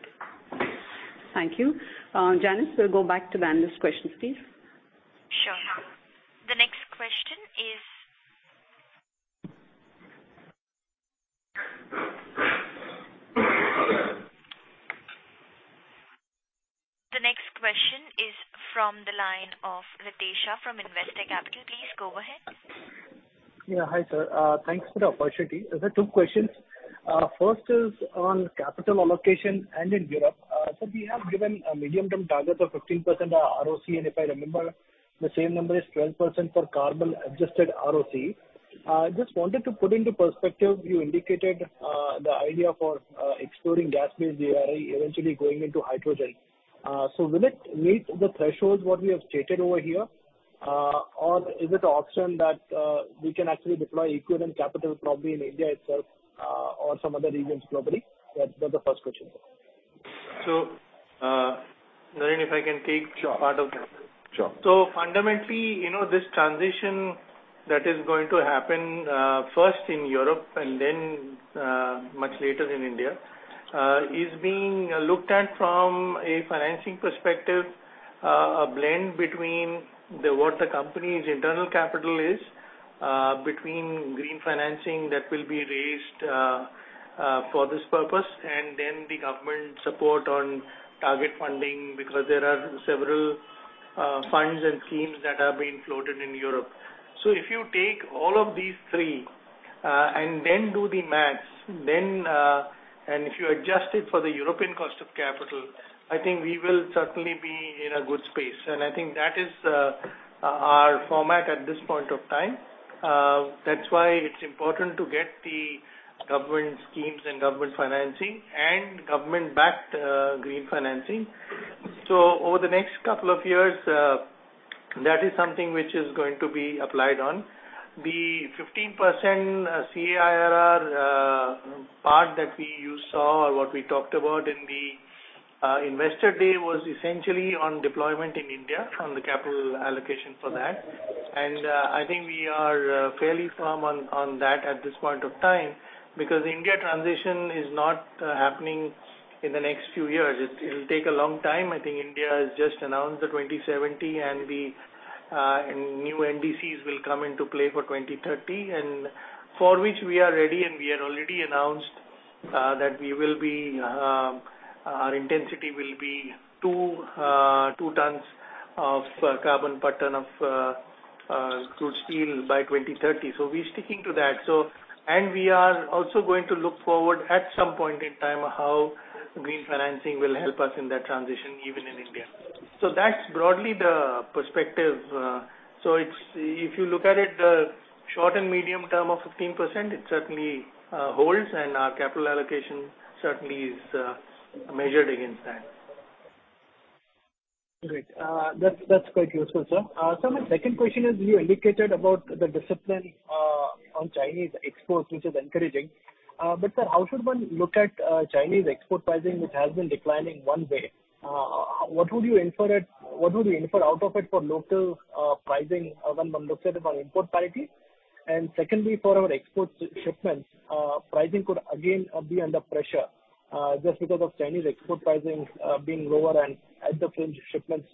Thank you. Janice, we'll go back to the analyst questions, please. Sure. The next question is from the line of Ritesh Shah from Investec Capital. Please go ahead. Yeah, hi, sir. Thanks for the opportunity. Sir, two questions. First is on capital allocation and in Europe. We have given a medium-term target of 15% ROCE, and if I remember, the same number is 12% for carbon-adjusted ROCE. Just wanted to put into perspective, you indicated the idea for exploring gas-based DRI eventually going into hydrogen. Will it meet the thresholds what we have stated over here, or is it an option that we can actually deploy equivalent capital probably in India itself, or some other regions globally? That's the first question, sir. Naren, if I can take- Sure. Part of that. Sure. Fundamentally, you know, this transition that is going to happen, first in Europe and then, much later in India, is being looked at from a financing perspective, a blend between the, what the company's internal capital is, between green financing that will be raised, for this purpose, and then the government support on target funding because there are several, funds and schemes that are being floated in Europe. If you take all of these three, and then do the math, then, and if you adjust it for the European cost of capital, I think we will certainly be in a good space. I think that is, our format at this point of time. That's why it's important to get the government schemes and government financing and government-backed, green financing. Over the next couple of years, that is something which is going to be applied on. The 15% ROCE part that you saw or what we talked about in the Investor Day was essentially on deployment in India on the capital allocation for that. I think we are fairly firm on that at this point of time because India transition is not happening in the next few years. It'll take a long time. I think India has just announced the 2070 and new NDCs will come into play for 2030. For which we are ready, and we had already announced that we will be, our intensity will be 2 tons of carbon per ton of crude steel by 2030. We're sticking to that. We are also going to look forward at some point in time how green financing will help us in that transition even in India. That's broadly the perspective. It's, if you look at it, short and medium term of 15%, it certainly holds and our capital allocation certainly is measured against that. Great. That's quite useful, sir. Sir, my second question is you indicated about the discipline on Chinese exports, which is encouraging. Sir, how should one look at Chinese export pricing, which has been declining one way? What would you infer out of it for local pricing when one looks at it on import parity? Secondly, for our export shipments, pricing could again be under pressure just because of Chinese export pricing being lower and the fringe shipments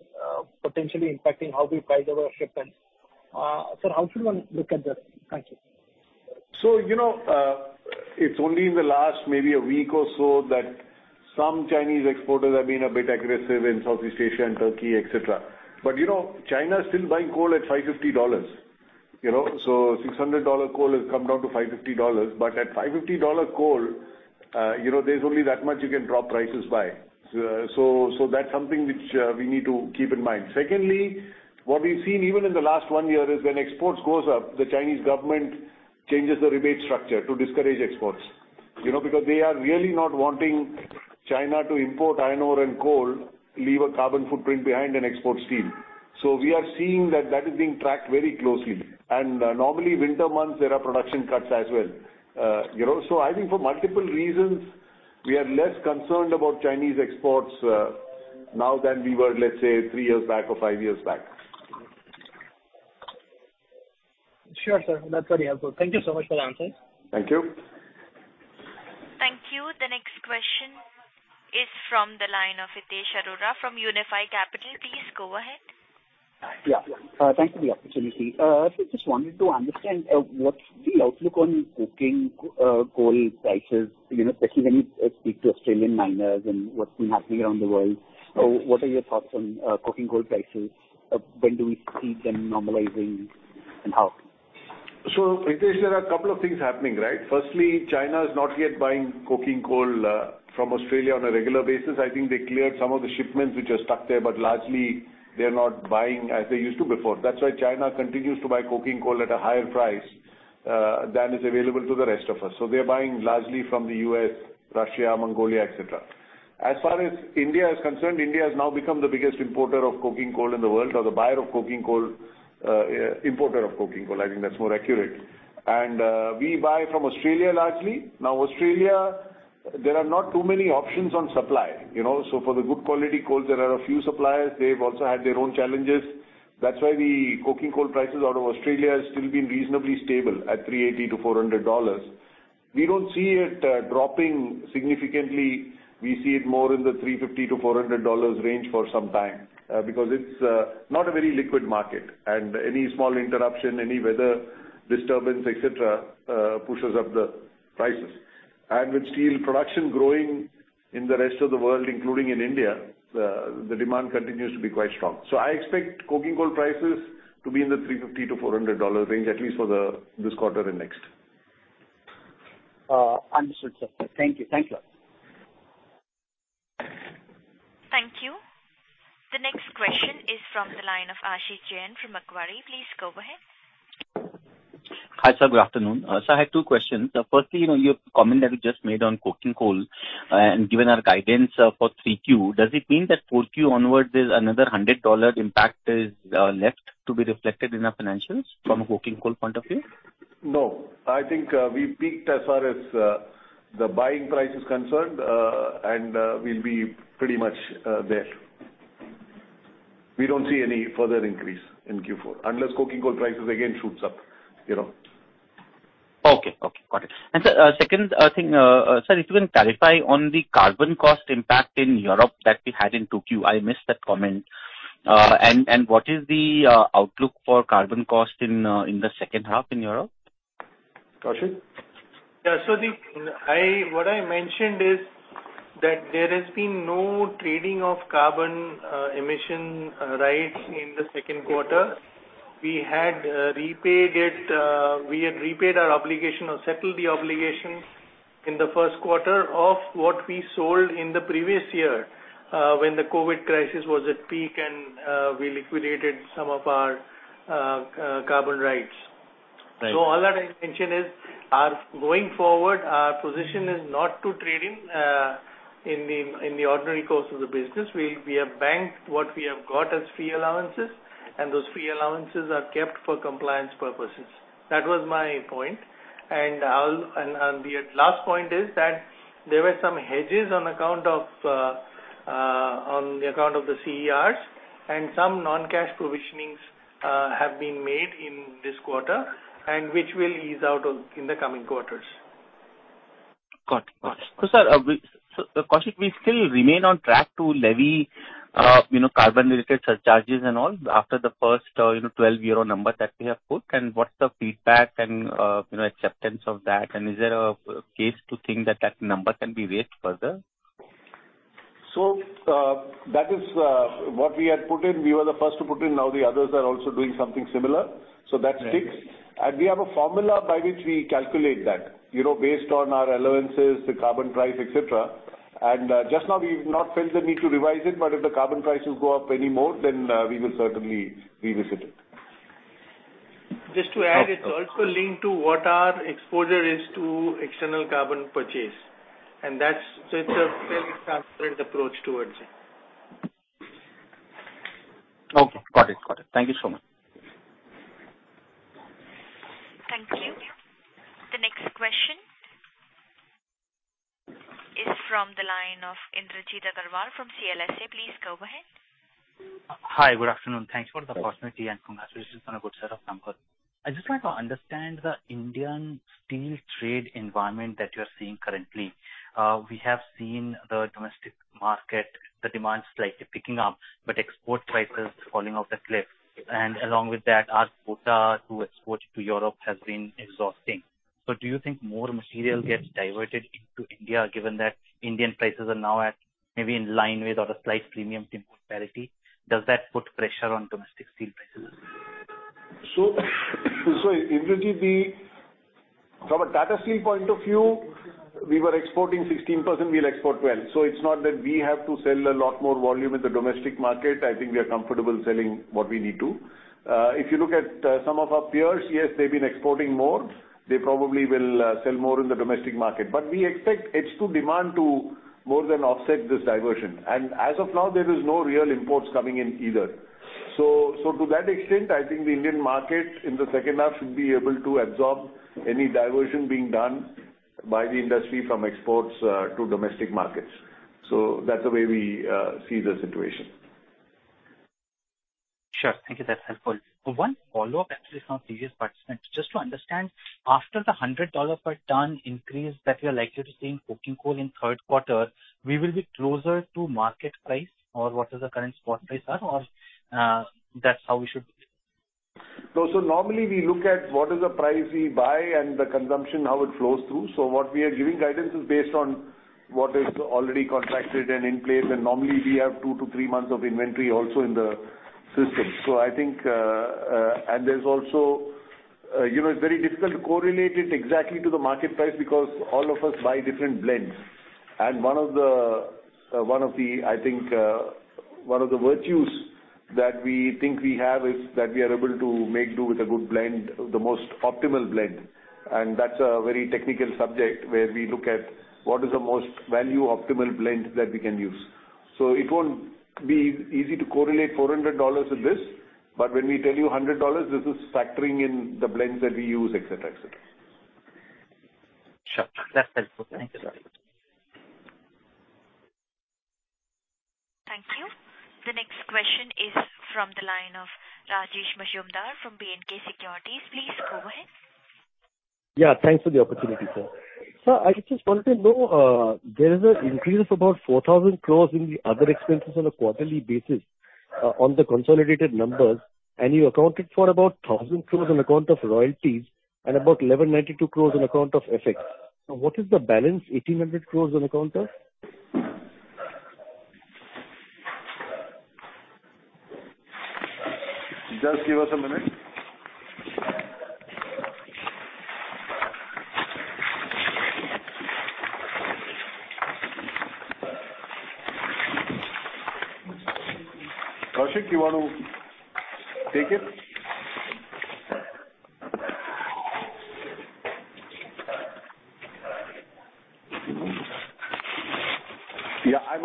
potentially impacting how we price our shipments. How should one look at this? Thank you. You know, it's only in the last maybe a week or so that some Chinese exporters have been a bit aggressive in Southeast Asia and Turkey, etc. You know, China is still buying coal at $550, you know. $600 coal has come down to $550. At $550 coal, you know, there's only that much you can drop prices by. That's something which we need to keep in mind. Secondly, what we've seen even in the last one year is when exports goes up, the Chinese government changes the rebate structure to discourage exports. You know, because they are really not wanting China to import iron ore and coal, leave a carbon footprint behind and export steel. We are seeing that that is being tracked very closely. Normally winter months, there are production cuts as well. You know, so I think for multiple reasons, we are less concerned about Chinese exports now than we were, let's say, three years back or five years back. Sure, sir. That's very helpful. Thank you so much for the answers. Thank you. Thank you. The next question is from the line of Hitesh Arora from Unifi Capital. Please go ahead. Thank you for the opportunity. I just wanted to understand what's the outlook on coking coal prices, you know, especially when you speak to Australian miners and what's been happening around the world. What are your thoughts on coking coal prices? When do we see them normalizing and how? Hitesh, there are a couple of things happening, right? Firstly, China is not yet buying coking coal from Australia on a regular basis. I think they cleared some of the shipments which are stuck there, but largely they are not buying as they used to before. That's why China continues to buy coking coal at a higher price than is available to the rest of us. They're buying largely from the U.S., Russia, Mongolia, et cetera. As far as India is concerned, India has now become the biggest importer of coking coal in the world, or the buyer of coking coal, importer of coking coal. I think that's more accurate. We buy from Australia largely. Now, Australia, there are not too many options on supply, you know. For the good quality coal, there are a few suppliers. They've also had their own challenges. That's why the coking coal prices out of Australia has still been reasonably stable at $380-$400. We don't see it dropping significantly. We see it more in the $350-$400 range for some time, because it's not a very liquid market, and any small interruption, any weather disturbance, et cetera, pushes up the prices. With steel production growing in the rest of the world, including in India, the demand continues to be quite strong. I expect coking coal prices to be in the $350-$400 range, at least for this quarter and next. Understood, sir. Thank you. Thank you. Thank you. The next question is from the line of Ashish Jain from Macquarie. Please go ahead. Hi, sir. Good afternoon. Sir, I have two questions. Firstly, you know, your comment that you just made on coking coal, and given our guidance for 3Q, does it mean that 4Q onwards is another $100 impact left to be reflected in our financials from a coking coal point of view? No. I think we peaked as far as the buying price is concerned, and we'll be pretty much there. We don't see any further increase in Q4 unless coking coal prices again shoots up, you know. Okay. Got it. Sir, second thing, sir, if you can clarify on the carbon cost impact in Europe that we had in 2Q. I missed that comment. What is the outlook for carbon cost in the H2 in Europe? Koushik? What I mentioned is that there has been no trading of carbon emission rights in the Q2. We had repaid our obligation or settled the obligation in the Q1 of what we sold in the previous year, when the COVID crisis was at peak and we liquidated some of our carbon rights. Right. All that I mentioned is our going forward, our position is not trading in the ordinary course of the business. We have banked what we have got as free allowances, and those free allowances are kept for compliance purposes. That was my point. I'll the last point is that there were some hedges on account of on the account of the CERs, and some non-cash provisionings have been made in this quarter and which will ease out in the coming quarters. Got it. Sir, Koushik, we still remain on track to levy, you know, carbon-related surcharges and all after the first, you know, 12 euro number that we have put, and what's the feedback and, you know, acceptance of that? Is there a case to think that that number can be raised further? That is what we had put in. We were the first to put in. Now the others are also doing something similar. That sticks. We have a formula by which we calculate that. You know, based on our allowances, the carbon price, et cetera. Just now we've not felt the need to revise it, but if the carbon prices go up any more, then, we will certainly revisit it. Just to add, it's also linked to what our exposure is to external carbon purchase, and that's so it's a fairly calculated approach towards it. Okay. Got it. Got it. Thank you so much. Thank you. The next question is from the line of Indrajit Agrawal from CLSA. Please go ahead. Hi. Good afternoon. Thanks for the opportunity, and congratulations on a good set of numbers. I'd just like to understand the Indian steel trade environment that you're seeing currently. We have seen the domestic market, the demand slightly picking up, but export prices falling off the cliff. Along with that, our quota to export to Europe has been exhausting. Do you think more material gets diverted into India, given that Indian prices are now at maybe in line with or a slight premium to import parity? Does that put pressure on domestic steel prices? From a Tata Steel point of view, we were exporting 16%, we'll export 12%. It's not that we have to sell a lot more volume in the domestic market. I think we are comfortable selling what we need to. If you look at some of our peers, yes, they've been exporting more. They probably will sell more in the domestic market. We expect H2 demand to more than offset this diversion. As of now, there is no real imports coming in either. To that extent, I think the Indian market in the H2 should be able to absorb any diversion being done by the industry from exports to domestic markets. That's the way we see the situation. Sure. Thank you. That's helpful. One follow-up actually from previous participant. Just to understand, after the $100 per ton increase that we are likely to see in coking coal in Q3, we will be closer to market price or what is the current spot price are or, that's how we should No. Normally we look at what is the price we buy and the consumption, how it flows through. What we are giving guidance is based on what is already contracted and in place. Normally we have two to three months of inventory also in the system. I think there's also, you know, it's very difficult to correlate it exactly to the market price because all of us buy different blends. One of the virtues that we think we have is that we are able to make do with a good blend, the most optimal blend. That's a very technical subject where we look at what is the most value optimal blend that we can use. It won't be easy to correlate $400 with this. When we tell you $100, this is factoring in the blends that we use, et cetera, et cetera. Sure. That's helpful. Thank you. Thank you. The next question is from the line of Rajesh Majumdar from B&K Securities. Please go ahead. Yeah, thanks for the opportunity, sir. Sir, I just wanted to know, there is an increase of about 4,000 crore in the other expenses on a quarterly basis, on the consolidated numbers, and you accounted for about 1,000 crore on account of royalties and about 1,192 crore on account of FX. Now, what is the balance 1,800 crore on account of? Just give us a minute. Koushik, you want to take it?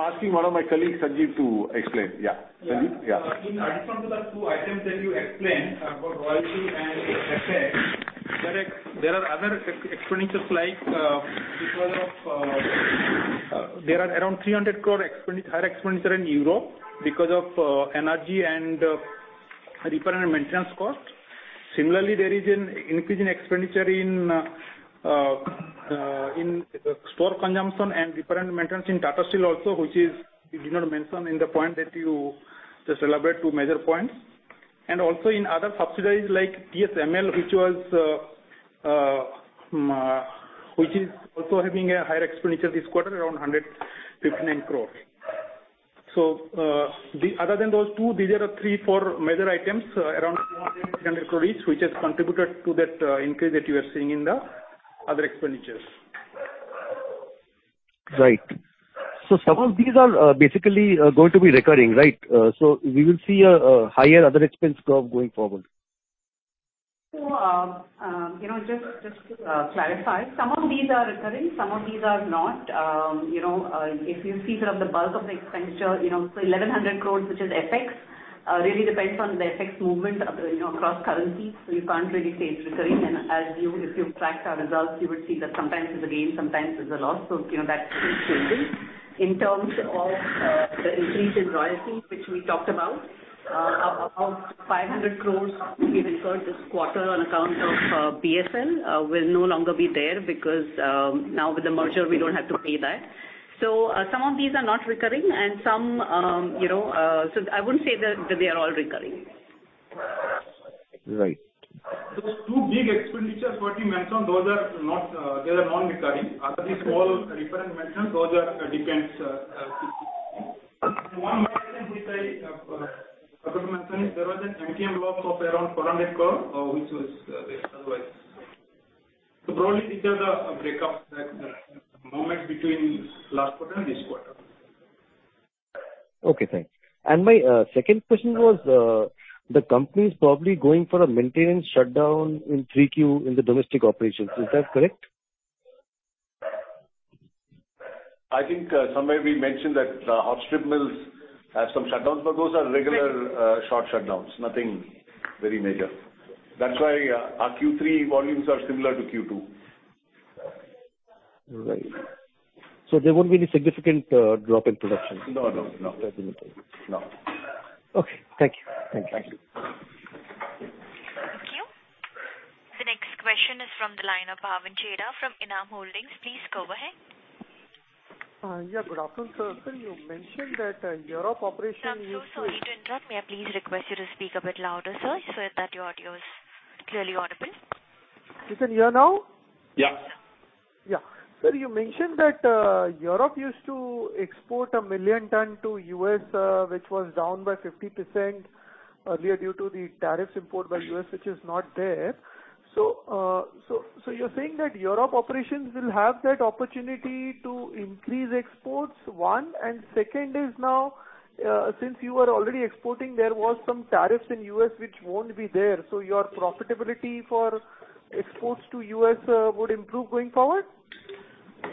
Yeah. I'm asking one of my colleagues, Sanjiv, to explain. Yeah. Sanjiv? Yeah. In addition to the two items that you explained about royalty and FX, there are other expenses like around 300 crore higher expenditure in Europe because of energy and repair and maintenance cost. Similarly, there is an increase in expenditure in store consumption and repair and maintenance in Tata Steel also, which we did not mention in the point that you just elaborate two major points. Also in other subsidiaries like TSML, which is also having a higher expenditure this quarter, around 159 crores. Other than those two, these are the three, four major items around 200 crores each, which has contributed to that increase that you are seeing in the other expenditures. Right. Some of these are basically going to be recurring, right? We will see a higher other expense curve going forward. You know, just to clarify, some of these are recurring, some of these are not. You know, if you see sort of the bulk of the expenditure, you know, so 1,100 crores, which is FX, really depends on the FX movement, you know, across currencies. You can't really say it's recurring. If you've tracked our results, you would see that sometimes it's a gain, sometimes it's a loss. You know, that keeps changing. In terms of the increase in royalty, which we talked about 500 crores we've incurred this quarter on account of BSL will no longer be there because now with the merger, we don't have to pay that. Some of these are not recurring and some, you know. I wouldn't say that they are all recurring. Right. Those two big expenditures that you mentioned, those are not. They are non-recurring. Other small repair and maintenance, those are. Depends. One more item which I forgot to mention is there was an MTM loss of around INR 400 crore. Broadly, these are the breakups of the movement between last quarter and this quarter. Okay, thanks. My second question was, the company's probably going for a maintenance shutdown in Q3 in the domestic operations. Is that correct? I think, somewhere we mentioned that hot strip mills have some shutdowns, but those are regular, short shutdowns. Nothing very major. That's why our Q3 volumes are similar to Q2. Right. There won't be any significant drop in production? No. Okay. Thank you. Thank you. Thank you. The next question is from the line of Bhavin Chheda from Enam Holdings. Please go ahead. Yeah, good afternoon, sir. Sir, you mentioned that, Europe operation- I'm so sorry to interrupt. May I please request you to speak a bit louder, sir, so that your audio is clearly audible. Is it clear now? Yeah. Yeah. Sir, you mentioned that Europe used to export 1 million tons to the U.S., which was down by 50% earlier due to the tariffs imposed by the U.S., which is not there. So you're saying that Europe operations will have that opportunity to increase exports, one. And second is now, since you are already exporting, there was some tariffs in the U.S. which won't be there, so your profitability for exports to the U.S. would improve going forward?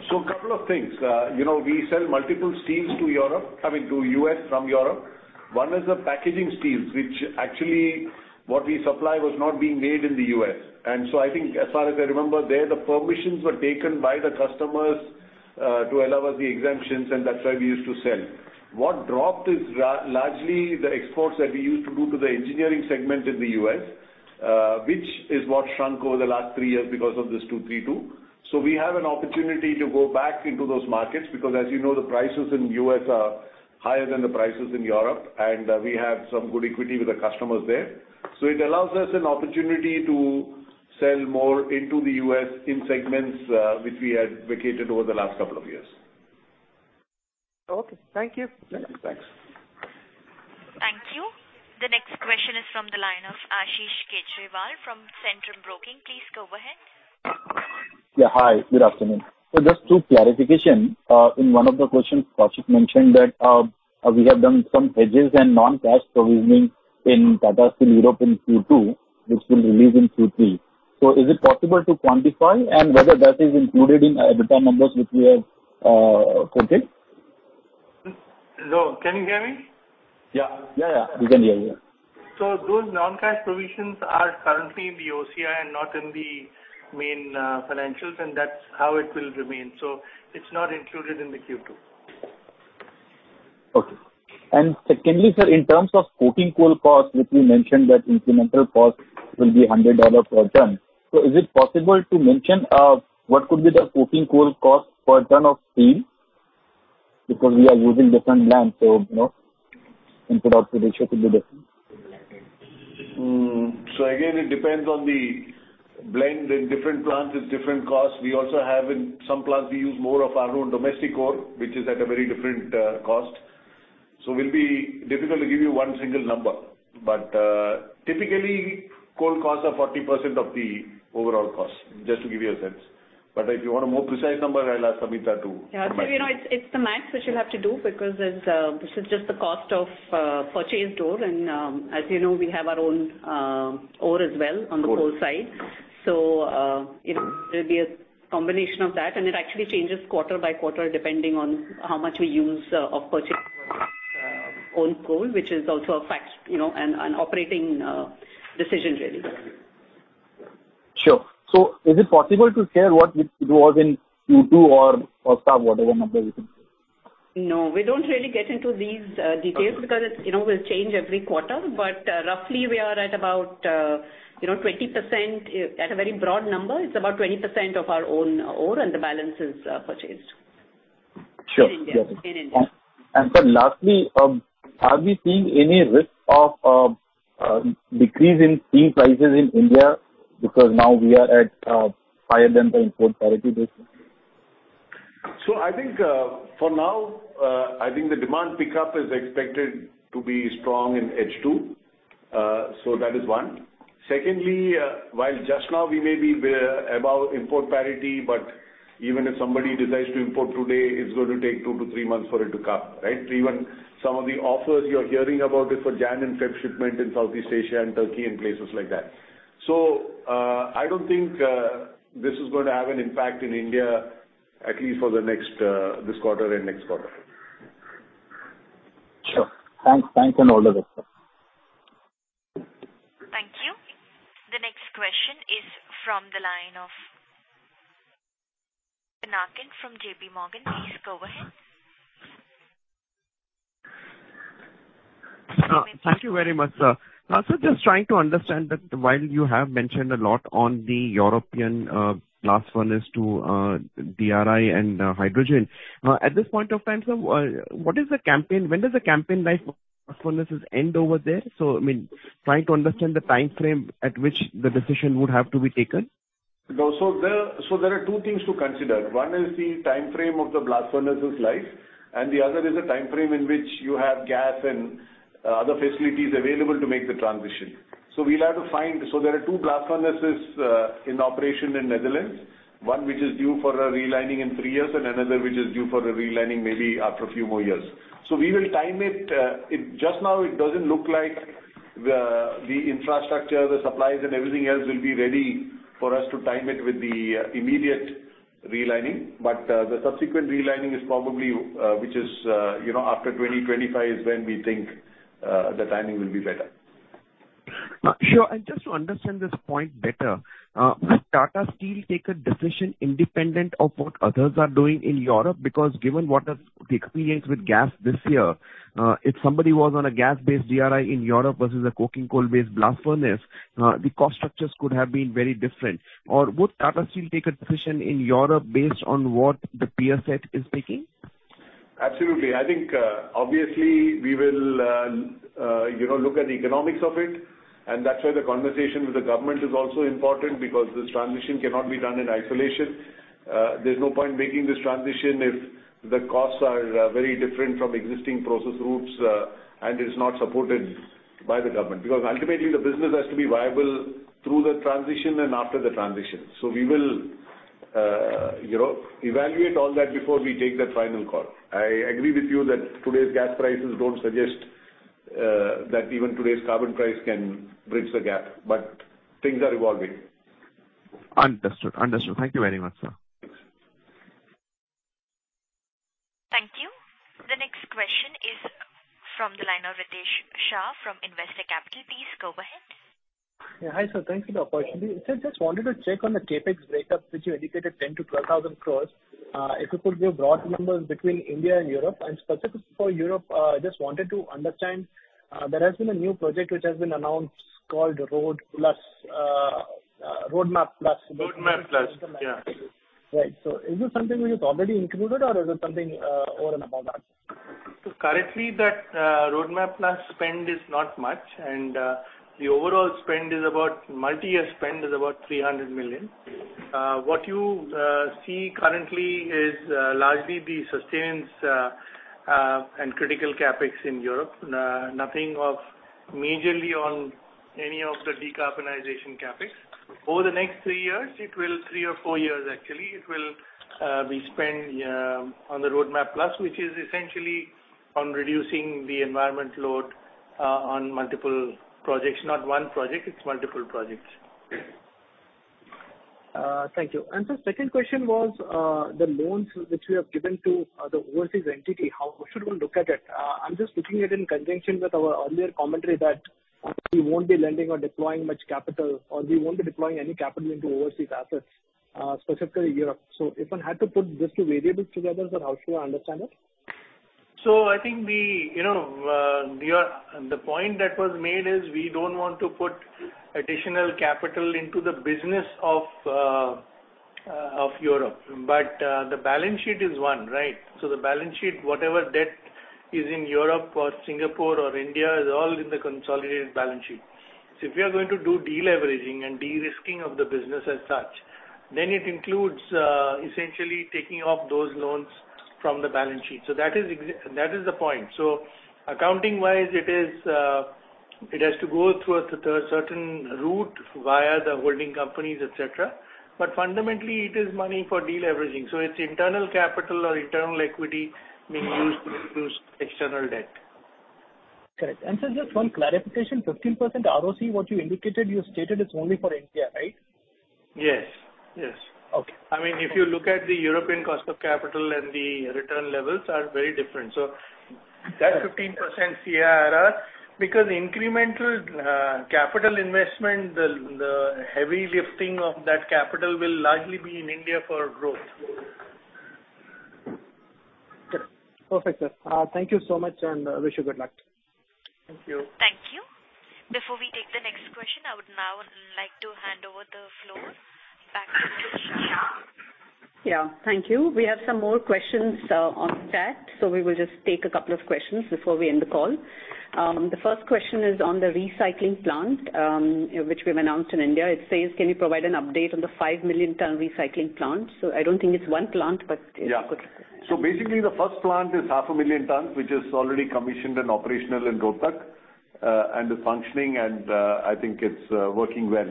Couple of things. You know, we sell multiple steels to Europe, I mean, to the U.S. from Europe. One is the packaging steels, which actually what we supply was not being made in the U.S. I think as far as I remember, there the permissions were taken by the customers to allow us the exemptions and that's why we used to sell. What dropped is largely the exports that we used to do to the engineering segment in the U.S., which is what shrunk over the last three years because of this Section 232. We have an opportunity to go back into those markets because, as you know, the prices in the U.S. are higher than the prices in Europe, and we have some good equity with the customers there. It allows us an opportunity to sell more into the U.S. in segments, which we had vacated over the last couple of years. Okay. Thank you. Thanks. Thank you. The next question is from the line of Ashish Kejriwal from Centrum Broking. Please go ahead. Yeah, hi, good afternoon. Just two clarifications. In one of the questions, Koushik mentioned that we have done some hedges and non-cash provisioning in Tata Steel Europe in Q2, which will release in Q3. Is it possible to quantify and whether that is included in EBITDA numbers which we have quoted? Hello, can you hear me? Yeah. We can hear you. Those non-cash provisions are currently in the OCI and not in the main financials, and that's how it will remain. It's not included in the Q2. Okay. Secondly, sir, in terms of coking coal cost, which we mentioned that incremental cost will be $100 per ton. Is it possible to mention what could be the coking coal cost per ton of steel? Because we are using different plants, you know, input-output ratio could be different. Again, it depends on the blend. In different plants, it's different costs. We also have in some plants we use more of our own domestic ore, which is at a very different cost. It will be difficult to give you one single number. Typically coal costs are 40% of the overall cost, just to give you a sense. If you want a more precise number, I'll ask Samita to- Yeah. You know, it's the max which you'll have to do because this is just the cost of purchased ore. As you know, we have our own ore as well on the coal side. Sure. You know, it'll be a combination of that, and it actually changes quarter by quarter depending on how much we use of purchased own coal, which is also a fact, you know, and an operating decision really. Sure. Is it possible to share what it was in Q2 or whatever number you can share? No, we don't really get into these details. Okay. Because it will change every quarter, you know. Roughly we are at about, you know, 20%. At a very broad number, it's about 20% of our own ore and the balance is purchased. Sure. In India. Sir, lastly, are we seeing any risk of decrease in steel prices in India because now we are at higher than the import parity basis? I think, for now, I think the demand pickup is expected to be strong in H2. That is one. Secondly, while just now we may be above import parity, but even if somebody decides to import today, it's going to take two to three months for it to come. Right? Even some of the offers you're hearing about is for January and February shipment in Southeast Asia and Turkey and places like that. I don't think this is gonna have an impact in India, at least for the next, this quarter and next quarter. Sure. Thanks on all of it. Thank you. The next question is from the line of Pinakin from JPMorgan. Please go ahead. Thank you very much, sir. I was just trying to understand that while you have mentioned a lot on the European blast furnace to DRI and hydrogen. At this point of time, sir, when does the campaign life blast furnaces end over there? I mean, trying to understand the timeframe at which the decision would have to be taken. There are two things to consider. One is the timeframe of the blast furnaces life, and the other is the timeframe in which you have gas and other facilities available to make the transition. There are two blast furnaces in operation in Netherlands, one which is due for a relining in three years and another which is due for a relining maybe after a few more years. We will time it. It just now doesn't look like the infrastructure, the supplies and everything else will be ready for us to time it with the immediate relining. The subsequent relining is probably you know after 2025 is when we think the timing will be better. Sure. Just to understand this point better, will Tata Steel take a decision independent of what others are doing in Europe? Because given the experience with gas this year, if somebody was on a gas-based DRI in Europe versus a coking coal-based blast furnace, the cost structures could have been very different. Or would Tata Steel take a decision in Europe based on what the peer set is taking? Absolutely. I think, obviously we will, you know, look at the economics of it, and that's why the conversation with the government is also important because this transition cannot be done in isolation. There's no point making this transition if the costs are, very different from existing process routes, and is not supported by the government. Because ultimately the business has to be viable through the transition and after the transition. We will, you know, evaluate all that before we take that final call. I agree with you that today's gas prices don't suggest, that even today's carbon price can bridge the gap, but things are evolving. Understood. Thank you very much, sir. Thank you. The next question is from the line of Ritesh Shah from Investec Capital. Please go ahead. Yeah. Hi, sir. Thank you for the opportunity. Sir, just wanted to check on the CapEx breakup, which you indicated 10,000-12,000 crore. If you could give broad numbers between India and Europe. Specifically for Europe, just wanted to understand, there has been a new project which has been announced called Roadmap Plus. Roadmap Plus. Yeah. Right. Is this something which is already included or is it something over and above that? Currently that Roadmap Plus spend is not much, and the overall multi-year spend is about 300 million. What you see currently is largely the sustenance and critical CapEx in Europe. Nothing major on any of the decarbonization CapEx. Over the next three or four years actually it will be spent on the Roadmap Plus, which is essentially on reducing the environmental load on multiple projects. Not one project, it's multiple projects. Thank you. Sir, second question was, the loans which we have given to the overseas entity, how should one look at it? I'm just looking at it in conjunction with our earlier commentary that we won't be lending or deploying much capital or we won't be deploying any capital into overseas assets, specifically Europe. If one had to put just two variables together, sir, how should I understand it? I think we, you know, The point that was made is we don't want to put additional capital into the business of Europe. The balance sheet is one, right? The balance sheet, whatever debt is in Europe or Singapore or India is all in the consolidated balance sheet. If you are going to do de-leveraging and de-risking of the business as such, then it includes, essentially taking off those loans from the balance sheet. That is the point. Accounting wise, it is, it has to go through a certain route via the holding companies, et cetera. Fundamentally it is money for de-leveraging. It's internal capital or internal equity being used to reduce external debt. Correct. Sir, just one clarification. 15% ROCE, what you indicated, you stated it's only for India, right? Yes. Yes. Okay. I mean, if you look at the European cost of capital and the return levels are very different. That 15% ROCE, because incremental capital investment, the heavy lifting of that capital will largely be in India for growth. Okay. Perfect, sir. Thank you so much, and wish you good luck. Thank you. Thank you. Before we take the next question, I would now like to hand over the floor back to Ms. Samita Shah. Thank you. We have some more questions on chat, so we will just take a couple of questions before we end the call. The first question is on the recycling plant, which we've announced in India. It says, "Can you provide an update on the 5 million ton recycling plant?" I don't think it's one plant, but if you could- Basically the first plant is 500,000 tons, which is already commissioned and operational in Rourkela, and is functioning, and I think it's working well.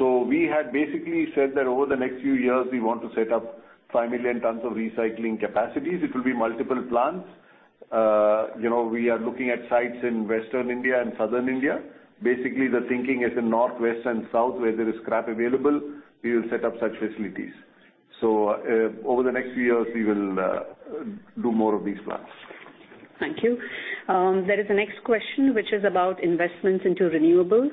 We had basically said that over the next few years we want to set up 5 million tons of recycling capacities. It will be multiple plants. You know, we are looking at sites in Western India and Southern India. Basically the thinking is in North, West and South, where there is scrap available, we will set up such facilities. Over the next few years we will do more of these plants. Thank you. There is a next question which is about investments into renewables.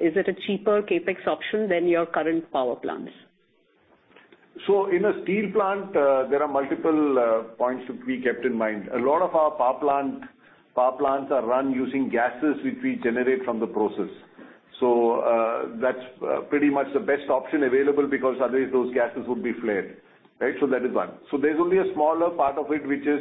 Is it a cheaper CapEx option than your current power plants? In a steel plant, there are multiple points to be kept in mind. A lot of our power plants are run using gases which we generate from the process. That's pretty much the best option available because otherwise those gases would be flared, right? That is one. There's only a smaller part of it which is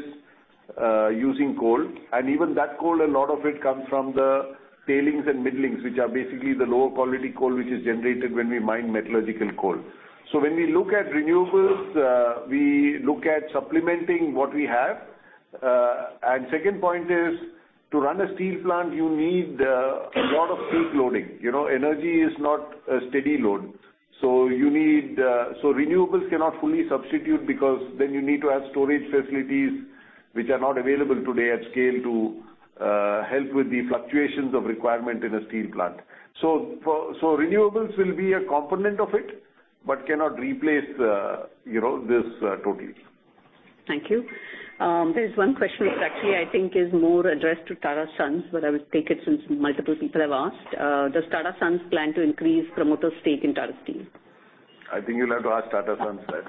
using coal. And even that coal, a lot of it comes from the tailings and middlings, which are basically the lower quality coal which is generated when we mine metallurgical coal. When we look at renewables, we look at supplementing what we have. And second point is to run a steel plant, you need a lot of peak loading. You know, energy is not a steady load, so you need... Renewables cannot fully substitute because then you need to have storage facilities which are not available today at scale to help with the fluctuations of requirement in a steel plant. Renewables will be a component of it, but cannot replace you know this totally. Thank you. There is one question which actually I think is more addressed to Tata Sons, but I will take it since multiple people have asked. Does Tata Sons plan to increase promoter stake in Tata Steel? I think you'll have to ask Tata Sons that.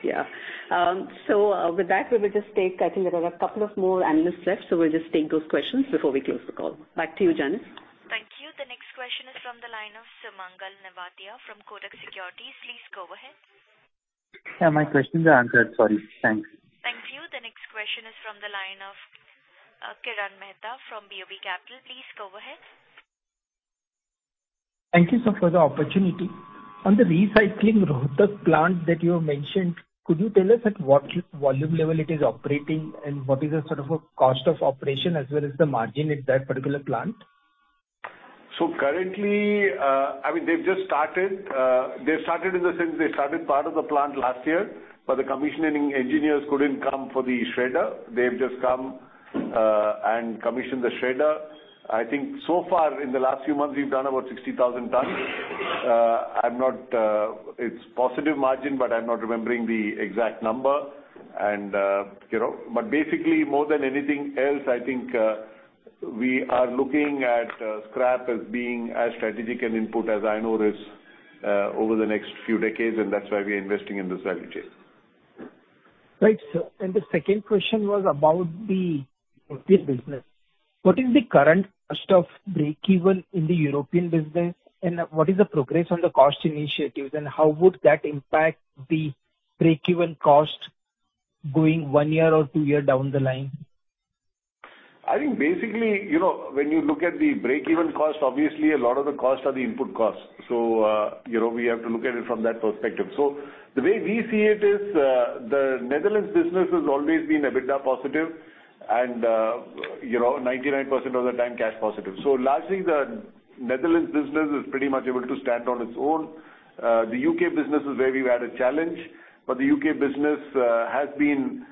Yeah. With that, we will just take. I think there are a couple of more analysts left, so we'll just take those questions before we close the call. Back to you, Janice. Thank you. The next question is from the line of Sumangal Nevatia from Kotak Securities. Please go ahead. Yeah, my questions are answered. Sorry. Thanks. Thank you. The next question is from the line of Kirtan Mehta from BOB Capital. Please go ahead. Thank you, sir, for the opportunity. On the recycling Rohtak plant that you have mentioned, could you tell us at what volume level it is operating and what is the sort of a cost of operation as well as the margin at that particular plant? Currently, I mean they've just started. They started in the sense they started part of the plant last year, but the commissioning engineers couldn't come for the shredder. They've just come and commissioned the shredder. I think so far in the last few months we've done about 60,000 tons. I'm not. It's positive margin, but I'm not remembering the exact number. You know, but basically more than anything else, I think, we are looking at scrap as being as strategic an input as iron ore is over the next few decades, and that's why we are investing in this value chain. Right, sir. The second question was about the European business. What is the current cost of break-even in the European business and what is the progress on the cost initiatives and how would that impact the break-even cost going one year or two year down the line? I think basically, you know, when you look at the break-even cost, obviously a lot of the costs are the input costs. You know, we have to look at it from that perspective. The way we see it is, the Netherlands business has always been EBITDA positive and, you know, 99% of the time cash positive. Largely the Netherlands business is pretty much able to stand on its own. The U.K. business is where we've had a challenge, but the U.K. business has been,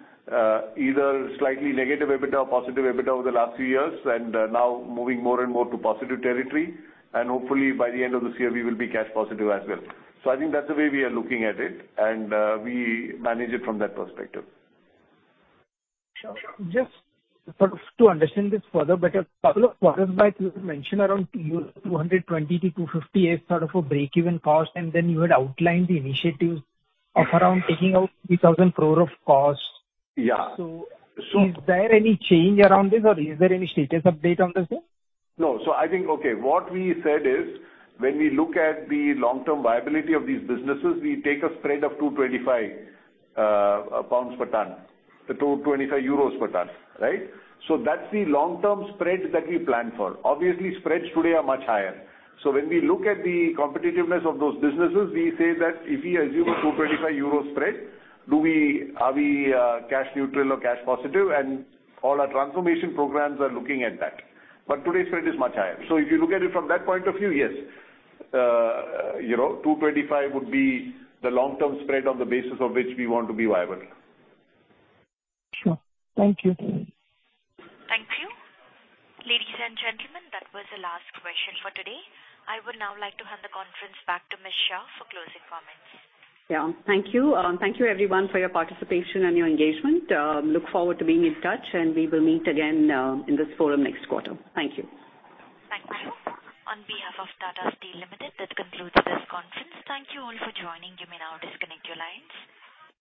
either slightly negative EBITDA or positive EBITDA over the last few years and now moving more and more to positive territory. Hopefully by the end of this year we will be cash positive as well. I think that's the way we are looking at it and, we manage it from that perspective. Sure. Just sort of to understand this further, but a couple of quarters back you had mentioned around 220-250 as sort of a break-even cost, and then you had outlined the initiatives of around taking out 3,000 crore of costs. Yeah. Is there any change around this or is there any status update on the same? No. I think, okay, what we said is when we look at the long-term viability of these businesses we take a spread of 225 pounds per ton, 225 euros per ton, right? That's the long-term spread that we plan for. Obviously, spreads today are much higher. When we look at the competitiveness of those businesses we say that if we assume a 225 euro spread, are we cash neutral or cash positive? All our transformation programs are looking at that. Today's spread is much higher. If you look at it from that point of view, yes, you know, 225 would be the long-term spread on the basis of which we want to be viable. Sure. Thank you. Thank you. Ladies and gentlemen, that was the last question for today. I would now like to hand the conference back to Ms. Shah for closing comments. Yeah. Thank you. Thank you everyone for your participation and your engagement. We look forward to being in touch, and we will meet again in this forum next quarter. Thank you. Thank you. On behalf of Tata Steel Limited, that concludes this conference. Thank you all for joining. You may now disconnect your lines.